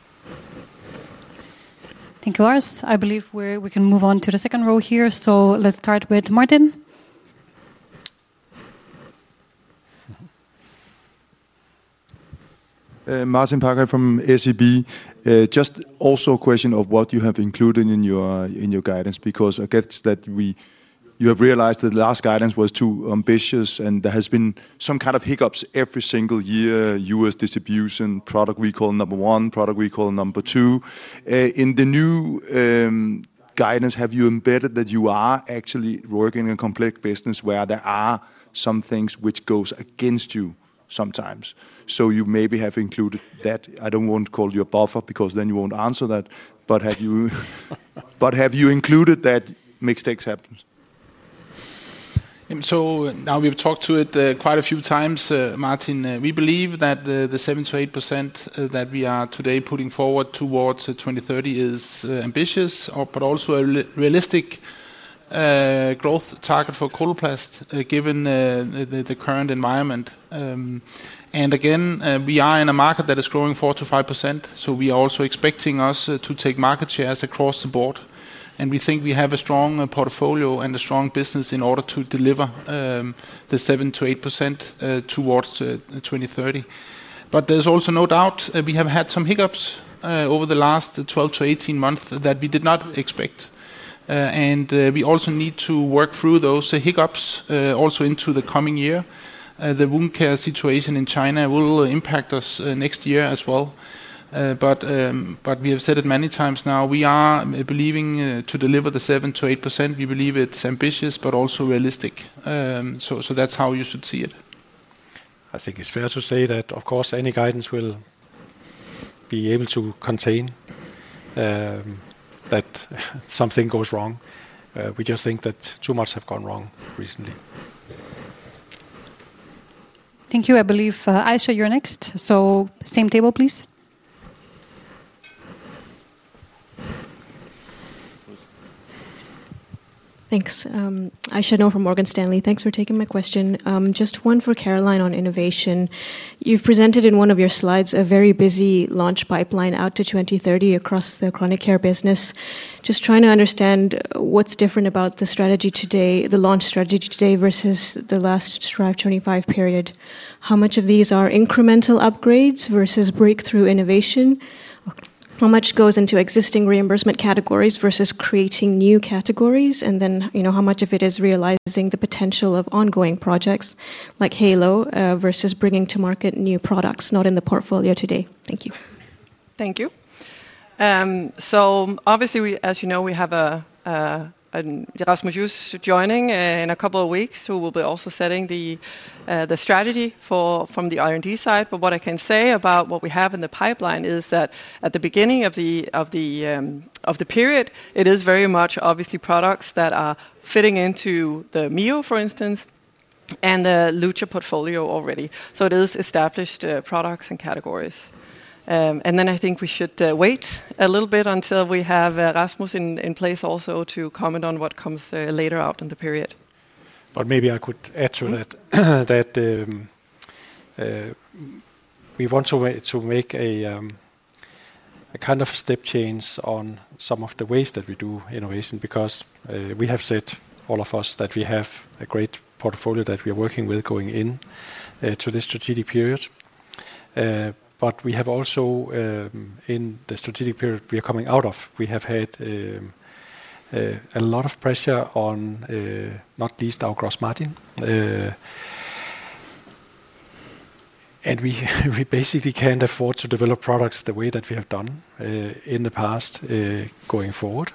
Thank you, Lars. I believe we can move on to the second row here. Let's start with Martin. Martin Parkhøi from SEB. Just also a question of what you have included in your guidance because I guess that you have realized that the last guidance was too ambitious, and there have been some kind of hiccups every single year. U.S. distribution, product recall number one, product recall number two. In the new guidance, have you embedded that you are actually working in a complex business where there are some things which go against you sometimes? You maybe have included that. I don't want to call you a bother because then you won't answer that. Have you included that mixed examples? We have talked to it quite a few times, Martin. We believe that the 7%-8% that we are today putting forward towards 2030 is ambitious, but also a realistic growth target for Coloplast given the current environment. We are in a market that is growing 4%-5%. We are also expecting us to take market shares across the board. We think we have a strong portfolio and a strong business in order to deliver the 7%-8% towards 2030. There is also no doubt we have had some hiccups over the last 12-18 months that we did not expect. We also need to work through those hiccups into the coming year. The Wound Care situation in China will impact us next year as well. We have said it many times now. We are believing to deliver the 7%-8%. We believe it's ambitious, but also realistic. That's how you should see it. I think it's fair to say that, of course, any guidance will be able to contain that something goes wrong. We just think that too much has gone wrong recently. Thank you. I believe Aisyah, you're next. Same table, please. Thanks. Aisyah Noor from Morgan Stanley. Thanks for taking my question. Just one for Caroline on innovation. You've presented in one of your slides a very busy launch pipeline out to 2030 across the Chronic Care business. Just trying to understand what's different about the strategy today, the launch strategy today versus the last Strive25 period. How much of these are incremental upgrades versus breakthrough innovation? How much goes into existing reimbursement categories versus creating new categories? How much of it is realizing the potential of ongoing projects like Halo versus bringing to market new products, not in the portfolio today? Thank you. Thank you. As you know, we have Rasmus Just joining in a couple of weeks who will also be setting the strategy from the R&D side. What I can say about what we have in the pipeline is that at the beginning of the period, it is very much products that are fitting into the Mio, for instance, and the Luja portfolio already. It is established products and categories. I think we should wait a little bit until we have Rasmus in place also to comment on what comes later out in the period. Maybe I could add to that that we want to make a kind of a step change on some of the ways that we do innovation because we have said, all of us, that we have a great portfolio that we are working with going into this strategic period. We have also, in the strategic period we are coming out of, had a lot of pressure on, not least, our gross margin. We basically can't afford to develop products the way that we have done in the past going forward.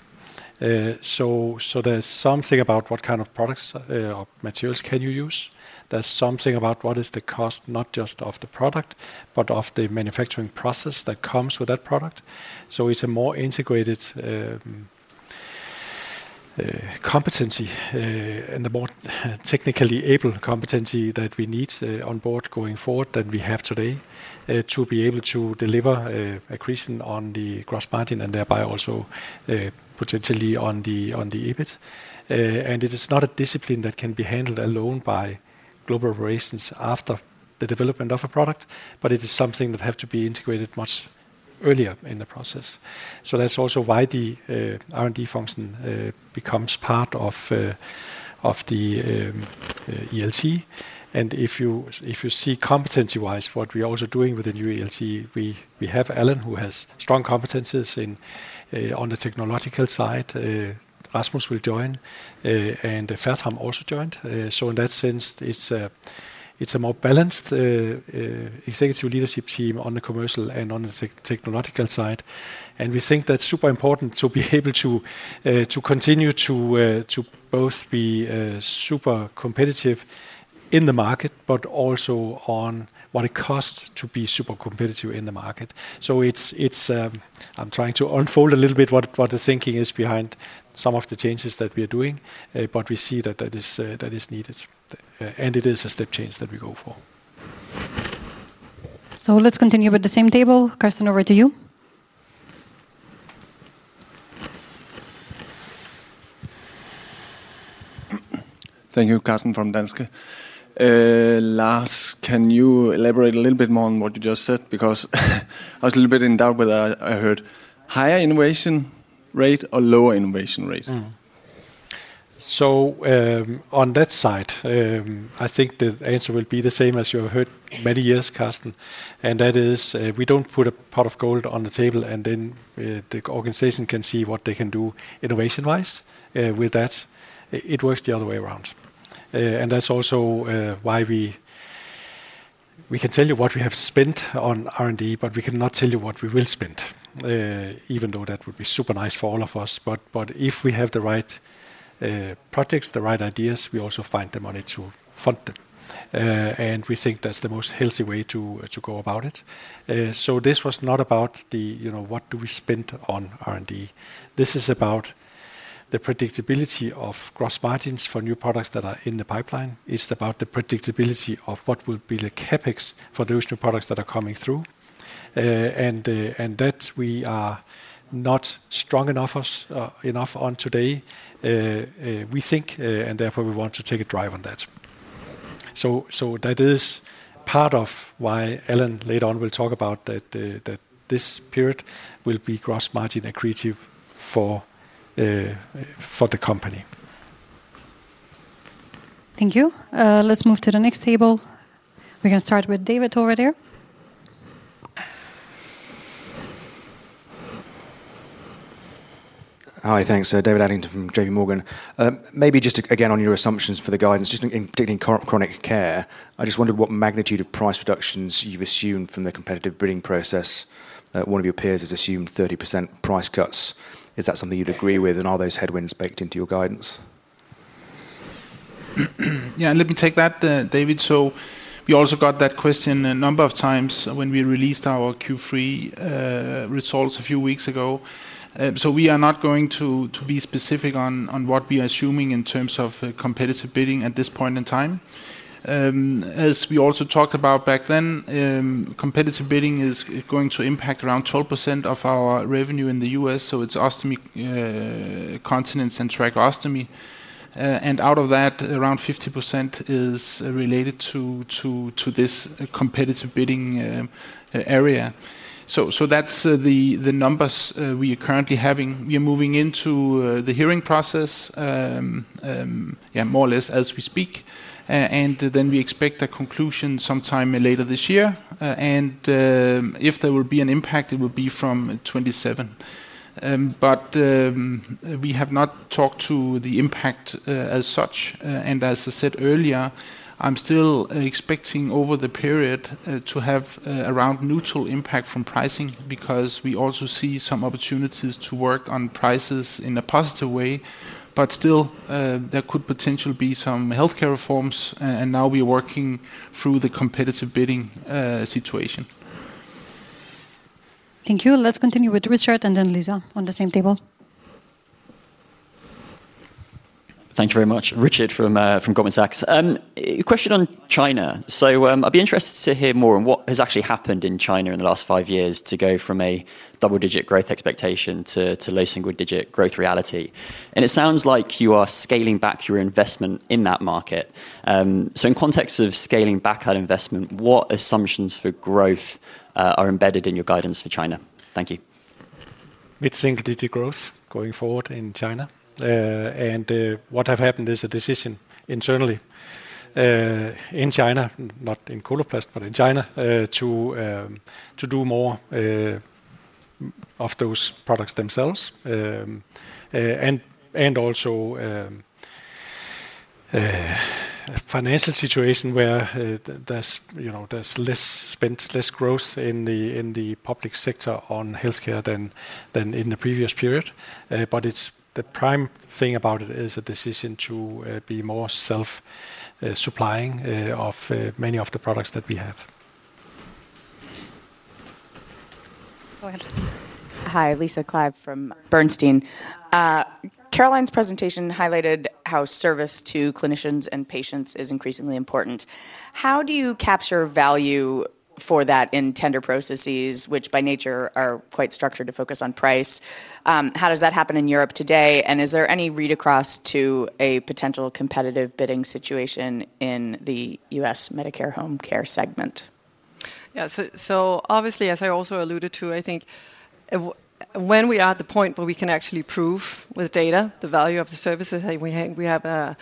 There is something about what kind of products or materials you can use. There is something about what is the cost, not just of the product, but of the manufacturing process that comes with that product. It is a more integrated competency and a more technically able competency that we need on board going forward than we have today to be able to deliver a reason on the gross margin and thereby also potentially on the EBIT. It is not a discipline that can be handled alone by Global Operations after the development of a product, but it is something that has to be integrated much earlier in the process. That is also why the R&D function becomes part of the ELT. If you see competency-wise what we're also doing with the new ELT, we have Allan, who has strong competencies on the technological side. Rasmus will join, and Fertram also joined. In that sense, it's a more balanced Executive Leadership Team on the commercial and on the technological side. We think that's super important to be able to continue to both be super competitive in the market, but also on what it costs to be super competitive in the market. I'm trying to unfold a little bit what the thinking is behind some of the changes that we are doing, but we see that that is needed. It is a step change that we go for. Let's continue with the same table. Carsten, over to you. Thank you, Carsten from Danske. Lars, can you elaborate a little bit more on what you just said? I was a little bit in doubt whether I heard higher innovation rate or lower innovation rate. On that side, I think the answer will be the same as you have heard many years, Carsten. That is, we don't put a pot of gold on the table and then the organization can see what they can do innovation-wise with that. It works the other way around. That is also why we can tell you what we have spent on R&D, but we cannot tell you what we will spend, even though that would be super nice for all of us. If we have the right projects, the right ideas, we also find the money to fund them. We think that's the most healthy way to go about it. This was not about what we spend on R&D. This is about the predictability of gross margins for new products that are in the pipeline. It's about the predictability of what will be the CapEx for those new products that are coming through. We are not strong enough on that today, we think, and therefore we want to take a drive on that. That is part of why Allan later on will talk about that this period will be gross margin accretive for the company. Thank you. Let's move to the next table. We're going to start with David over there. Hi, thanks. David Adlington from JPMorgan. Maybe just again on your assumptions for the guidance, just in Chronic Care, I just wondered what magnitude of price reductions you've assumed from the competitive bidding process. One of your peers has assumed 30% price cuts. Is that something you'd agree with, and are those headwinds baked into your guidance? Yeah, let me take that, David. We also got that question a number of times when we released our Q3 results a few weeks ago. We are not going to be specific on what we are assuming in terms of competitive bidding at this point in time. As we also talked about back then, competitive bidding is going to impact around 12% of our revenue in the U.S. It's ostomy, continence, and tracheostomy. Out of that, around 50% is related to this competitive bidding area. That's the numbers we are currently having. We are moving into the hearing process, more or less as we speak. We expect a conclusion sometime later this year. If there will be an impact, it will be from 2027. We have not talked to the impact as such. As I said earlier, I'm still expecting over the period to have around neutral impact from pricing because we also see some opportunities to work on prices in a positive way. Still, there could potentially be some healthcare reforms, and now we are working through the competitive bidding situation. Thank you. Let's continue with Richard and then Lisa on the same table. Thank you very much. Richard from Goldman Sachs. Question on China. I'd be interested to hear more on what has actually happened in China in the last five years to go from a double-digit growth expectation to low single-digit growth reality. It sounds like you are scaling back your investment in that market. In context of scaling back that investment, what assumptions for growth are embedded in your guidance for China? Thank you. Mid-single-digit growth going forward in China. What has happened is a decision internally in China, not in Coloplast, but in China, to do more of those products themselves. Also, a financial situation where there's less spent, less growth in the public sector on healthcare than in the previous period. The prime thing about it is a decision to be more self-supplying of many of the products that we have. Go ahead. Hi, Lisa Clive from Bernstein. Caroline's presentation highlighted how service to clinicians and patients is increasingly important. How do you capture value for that in tender processes, which by nature are quite structured to focus on price? How does that happen in Europe today? Is there any read across to a potential competitive bidding situation in the U.S. Medicare Home Care segment? Yeah, as I also alluded to, I think when we are at the point where we can actually prove with data the value of the services, we can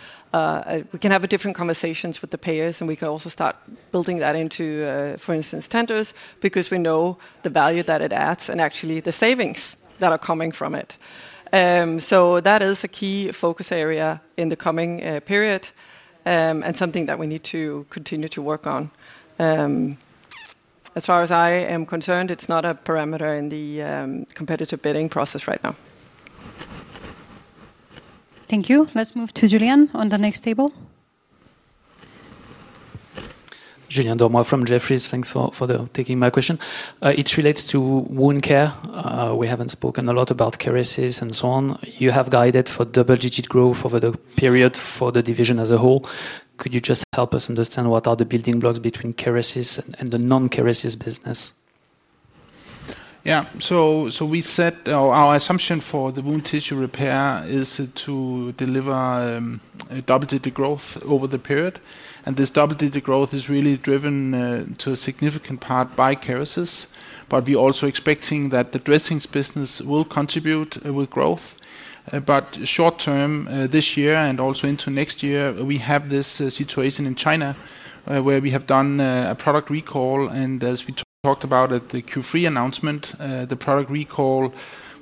have different conversations with the payers, and we can also start building that into, for instance, tenders because we know the value that it adds and actually the savings that are coming from it. That is a key focus area in the coming period and something that we need to continue to work on. As far as I am concerned, it's not a parameter in the competitive bidding process right now. Thank you. Let's move to Julien on the next table. Julien Dormo from Jefferies. Thanks for taking my question. It relates to Wound Care. We haven't spoken a lot about Kerecis and so on. You have guided for double-digit growth over the period for the division as a whole. Could you just help us understand what are the building blocks between Kerecis and the non-Kerecis business? Yeah, so we said our assumption for the wound tissue repair is to deliver double-digit growth over the period. This double-digit growth is really driven to a significant part by Kerecis, but we're also expecting that the Dressings business will contribute with growth. Short-term, this year and also into next year, we have this situation in China where we have done a product recall. As we talked about at the Q3 announcement, the product recall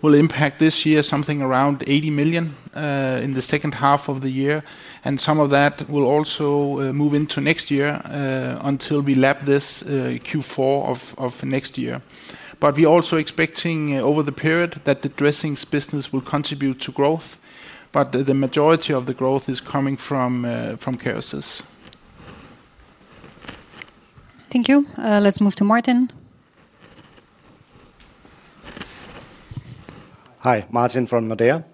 will impact this year something around 80 million in the second half of the year. Some of that will also move into next year until we lap this Q4 of next year. We're also expecting over the period that the Dressings business will contribute to growth. The majority of the growth is coming from Kerecis. Thank you. Let's move to Martin. Hi, Martin from Nordea.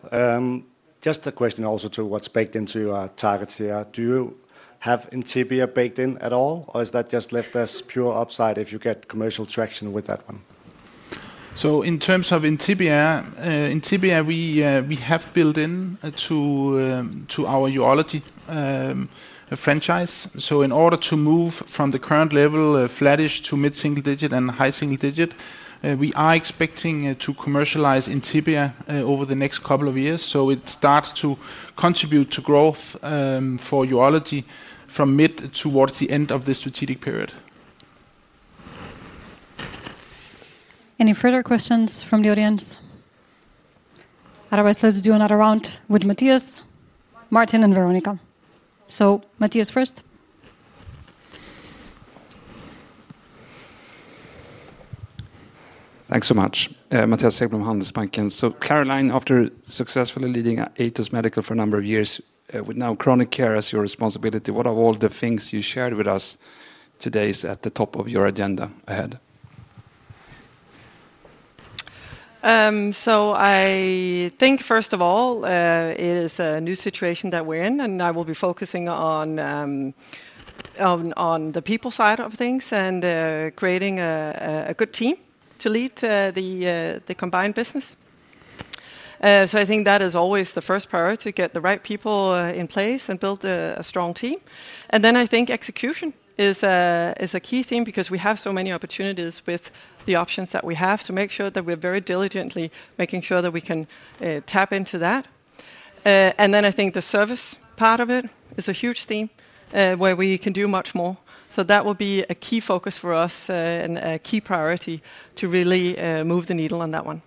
Just a question also to what's baked into our targets here. Do you have Intibia baked in at all, or is that just left as pure upside if you get commercial traction with that one? In terms of Intibia, Intibia we have built into our urology franchise. In order to move from the current level flattish to mid-single digit and high single digit, we are expecting to commercialize Intibia over the next couple of years. It starts to contribute to growth for urology from mid towards the end of the strategic period. Any further questions from the audience? Otherwise, let's do another round with Mattias, Martin, and Veronika. Mattias first. Thanks so much. Mattias Häggblom from Handelsbanken. Caroline, after successfully leading Atos Medical for a number of years with now Chronic Care as your responsibility, what are all the things you shared with us today at the top of your agenda ahead? I think, first of all, it is a new situation that we're in, and I will be focusing on the people side of things and creating a good team to lead the combined business. I think that is always the first priority to get the right people in place and build a strong team. I think execution is a key theme because we have so many opportunities with the options that we have to make sure that we're very diligently making sure that we can tap into that. I think the service part of it is a huge theme where we can do much more. That will be a key focus for us and a key priority to really move the needle on that one.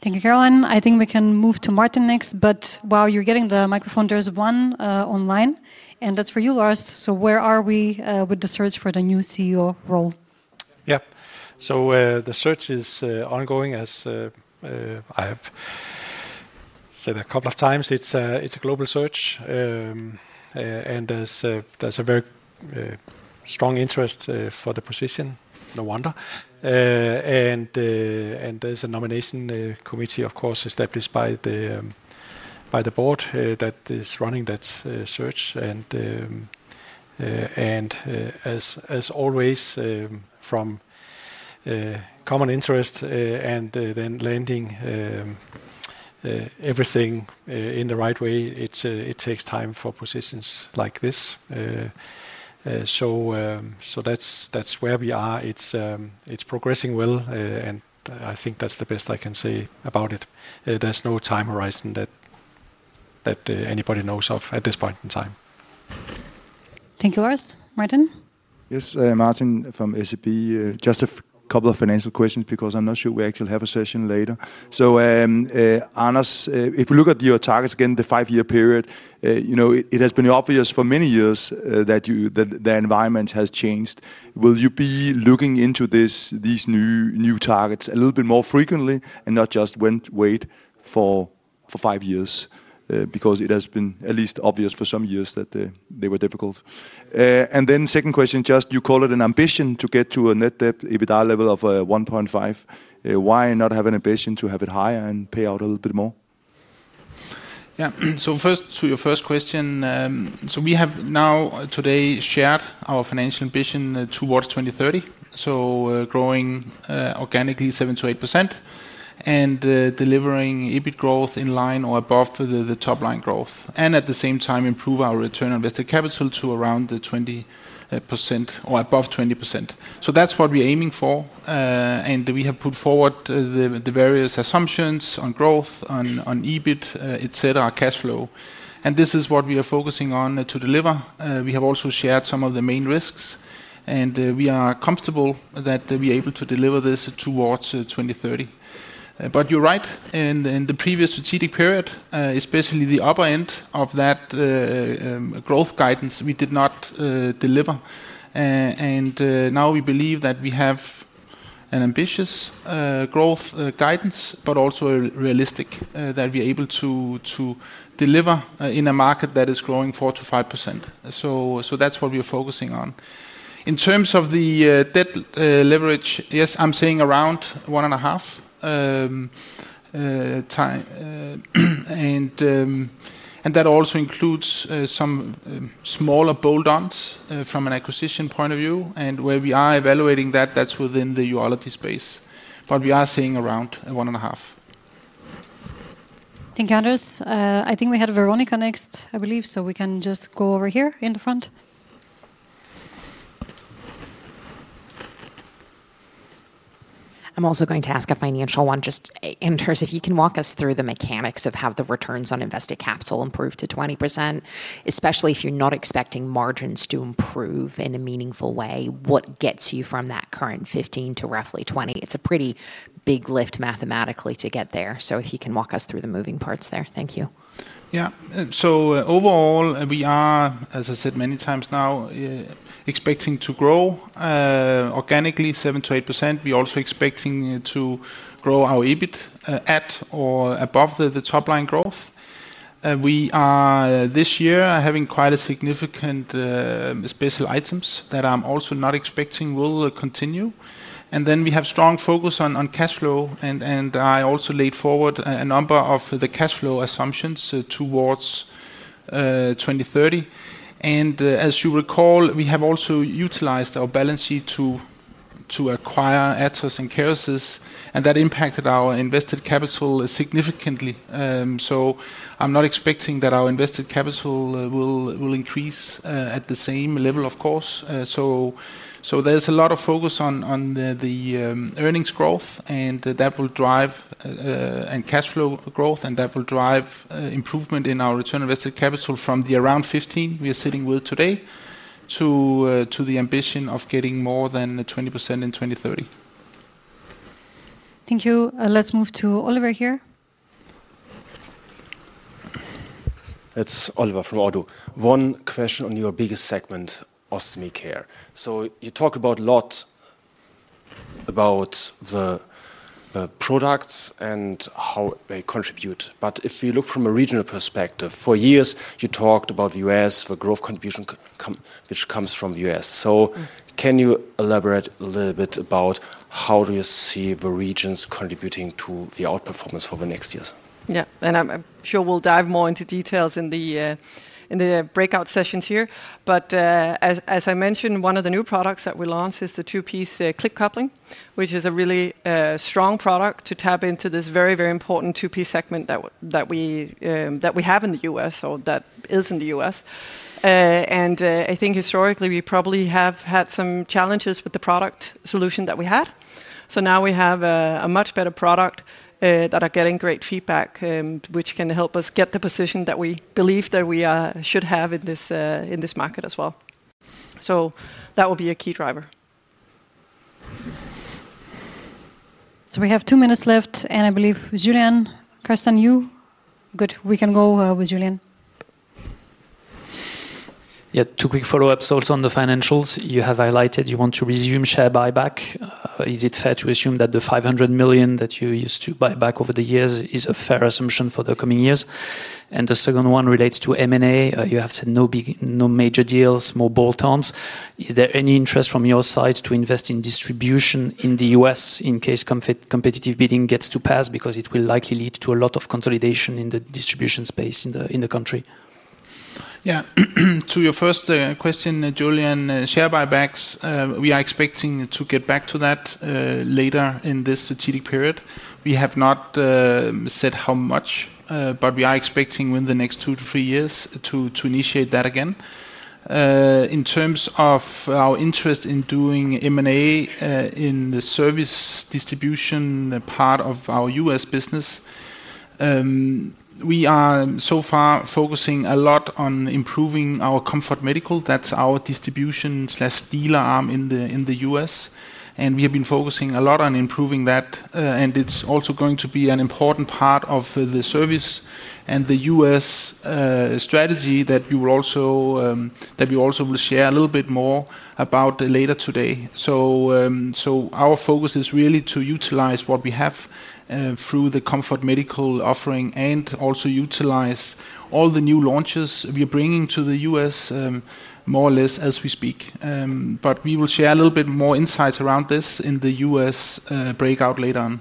Thank you, Caroline. I think we can move to Martin next. While you're getting the microphone, there's one online, and that's for you, Lars. Where are we with the search for the new CEO role? Yeah, the search is ongoing. As I have said a couple of times, it's a global search. There's a very strong interest for the position, no wonder. There's a nomination committee, of course, established by the board that is running that search. As always, from common interest and then landing everything in the right way, it takes time for positions like this. That's where we are. It's progressing well, and I think that's the best I can say about it. There's no time horizon that anybody knows of at this point in time. Thank you, Lars. Martin? Yes, Martin from ACB. Just a couple of financial questions because I'm not sure we actually have a session later. So Anders, if we look at your targets again, the five-year period, you know it has been obvious for many years that the environment has changed. Will you be looking into these new targets a little bit more frequently and not just wait for five years? It has been at least obvious for some years that they were difficult. Second question, just you call it an ambition to get to a net debt EBITDA level of 1.5. Why not have an ambition to have it higher and pay out a little bit more? Yeah, first to your first question. We have now today shared our financial ambition towards 2030, growing organically 7%-8% and delivering EBIT growth in line or above the top-line growth. At the same time, we aim to improve our return on invested capital to around 20% or above 20%. That's what we're aiming for. We have put forward the various assumptions on growth, on EBIT, cash flow, and this is what we are focusing on to deliver. We have also shared some of the main risks, and we are comfortable that we're able to deliver this towards 2030. You're right, in the previous strategic period, especially the upper end of that growth guidance, we did not deliver. We believe that we have an ambitious growth guidance, but also realistic that we're able to deliver in a market that is growing 4%-5%. That's what we're focusing on. In terms of the debt leverage, yes, I'm saying around 1.5x, and that also includes some smaller bolt-ons from an acquisition point of view. We are evaluating that within the urology space, but we are saying around 1.5x. Thank you, Anders. I think we had Veronika next, I believe. We can just go over here in the front. I'm also going to ask a financial one, just in terms of if you can walk us through the mechanics of how the returns on invested capital improved to 20%, especially if you're not expecting margins to improve in a meaningful way. What gets you from that current 15% to roughly 20%? It's a pretty big lift mathematically to get there. If you can walk us through the moving parts there, thank you. Yeah, so overall, we are, as I said many times now, expecting to grow organically 7%-8%. We're also expecting to grow our EBIT at or above the top-line growth. We are this year having quite a significant special items that I'm also not expecting will continue. We have strong focus on cash flow. I also laid forward a number of the cash flow assumptions towards 2030. As you recall, we have also utilized our balance sheet to acquire Atos and Kerecis. That impacted our invested capital significantly. I'm not expecting that our invested capital will increase at the same level, of course. There's a lot of focus on the earnings growth, and that will drive cash flow growth, and that will drive improvement in our return on invested capital from the around 15% we are sitting with today to the ambition of getting more than 20% in 2030. Thank you. Let's move to Oliver here. That's Oliver from ODDO. One question on your biggest segment, Ostomy Care. You talk a lot about the products and how they contribute. If you look from a regional perspective, for years, you talked about the U.S., the growth contribution which comes from the U.S. Can you elaborate a little bit about how you see the regions contributing to the outperformance for the next years? Yeah, I'm sure we'll dive more into details in the breakout sessions here. As I mentioned, one of the new products that we launched is the two-piece click coupling, which is a really strong product to tap into this very, very important two-piece segment that we have in the U.S. or that is in the U.S. I think historically, we probably have had some challenges with the product solution that we had. Now we have a much better product that I'm getting great feedback on, which can help us get the position that we believe that we should have in this market as well. That will be a key driver. We have two minutes left, and I believe Julien, Carsten, you? Good. We can go with Julien. Yeah, two quick follow-ups also on the financials. You have highlighted you want to resume share buybacks. Is it fair to assume that the 500 million that you used to buy back over the years is a fair assumption for the coming years? The second one relates to M&A. You have said no major deals, more bolt-ons. Is there any interest from your side to invest in distribution in the U.S. in case competitive bidding gets to pass because it will likely lead to a lot of consolidation in the distribution space in the country? Yeah, to your first question, Julien, share buybacks, we are expecting to get back to that later in this strategic period. We have not said how much, but we are expecting within the next two to three years to initiate that again. In terms of our interest in doing M&A in the service distribution part of our U.S. business, we are so far focusing a lot on improving our Comfort Medical. That's our distribution/dealer arm in the U.S., and we have been focusing a lot on improving that. It is also going to be an important part of the service and the U.S. strategy that we also will share a little bit more about later today. Our focus is really to utilize what we have through the Comfort Medical offering and also utilize all the new launches we are bringing to the U.S. more or less as we speak. We will share a little bit more insights around this in the U.S. breakout later on.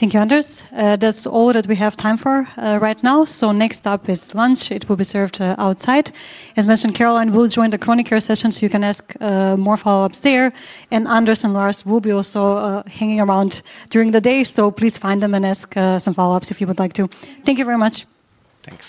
Thank you, Anders. That's all that we have time for right now. Next up is lunch. It will be served outside. As mentioned, Caroline will join the Chronic Care session, so you can ask more follow-ups there. Anders and Lars will also be hanging around during the day. Please find them and ask some follow-ups if you would like to. Thank you very much. Thanks.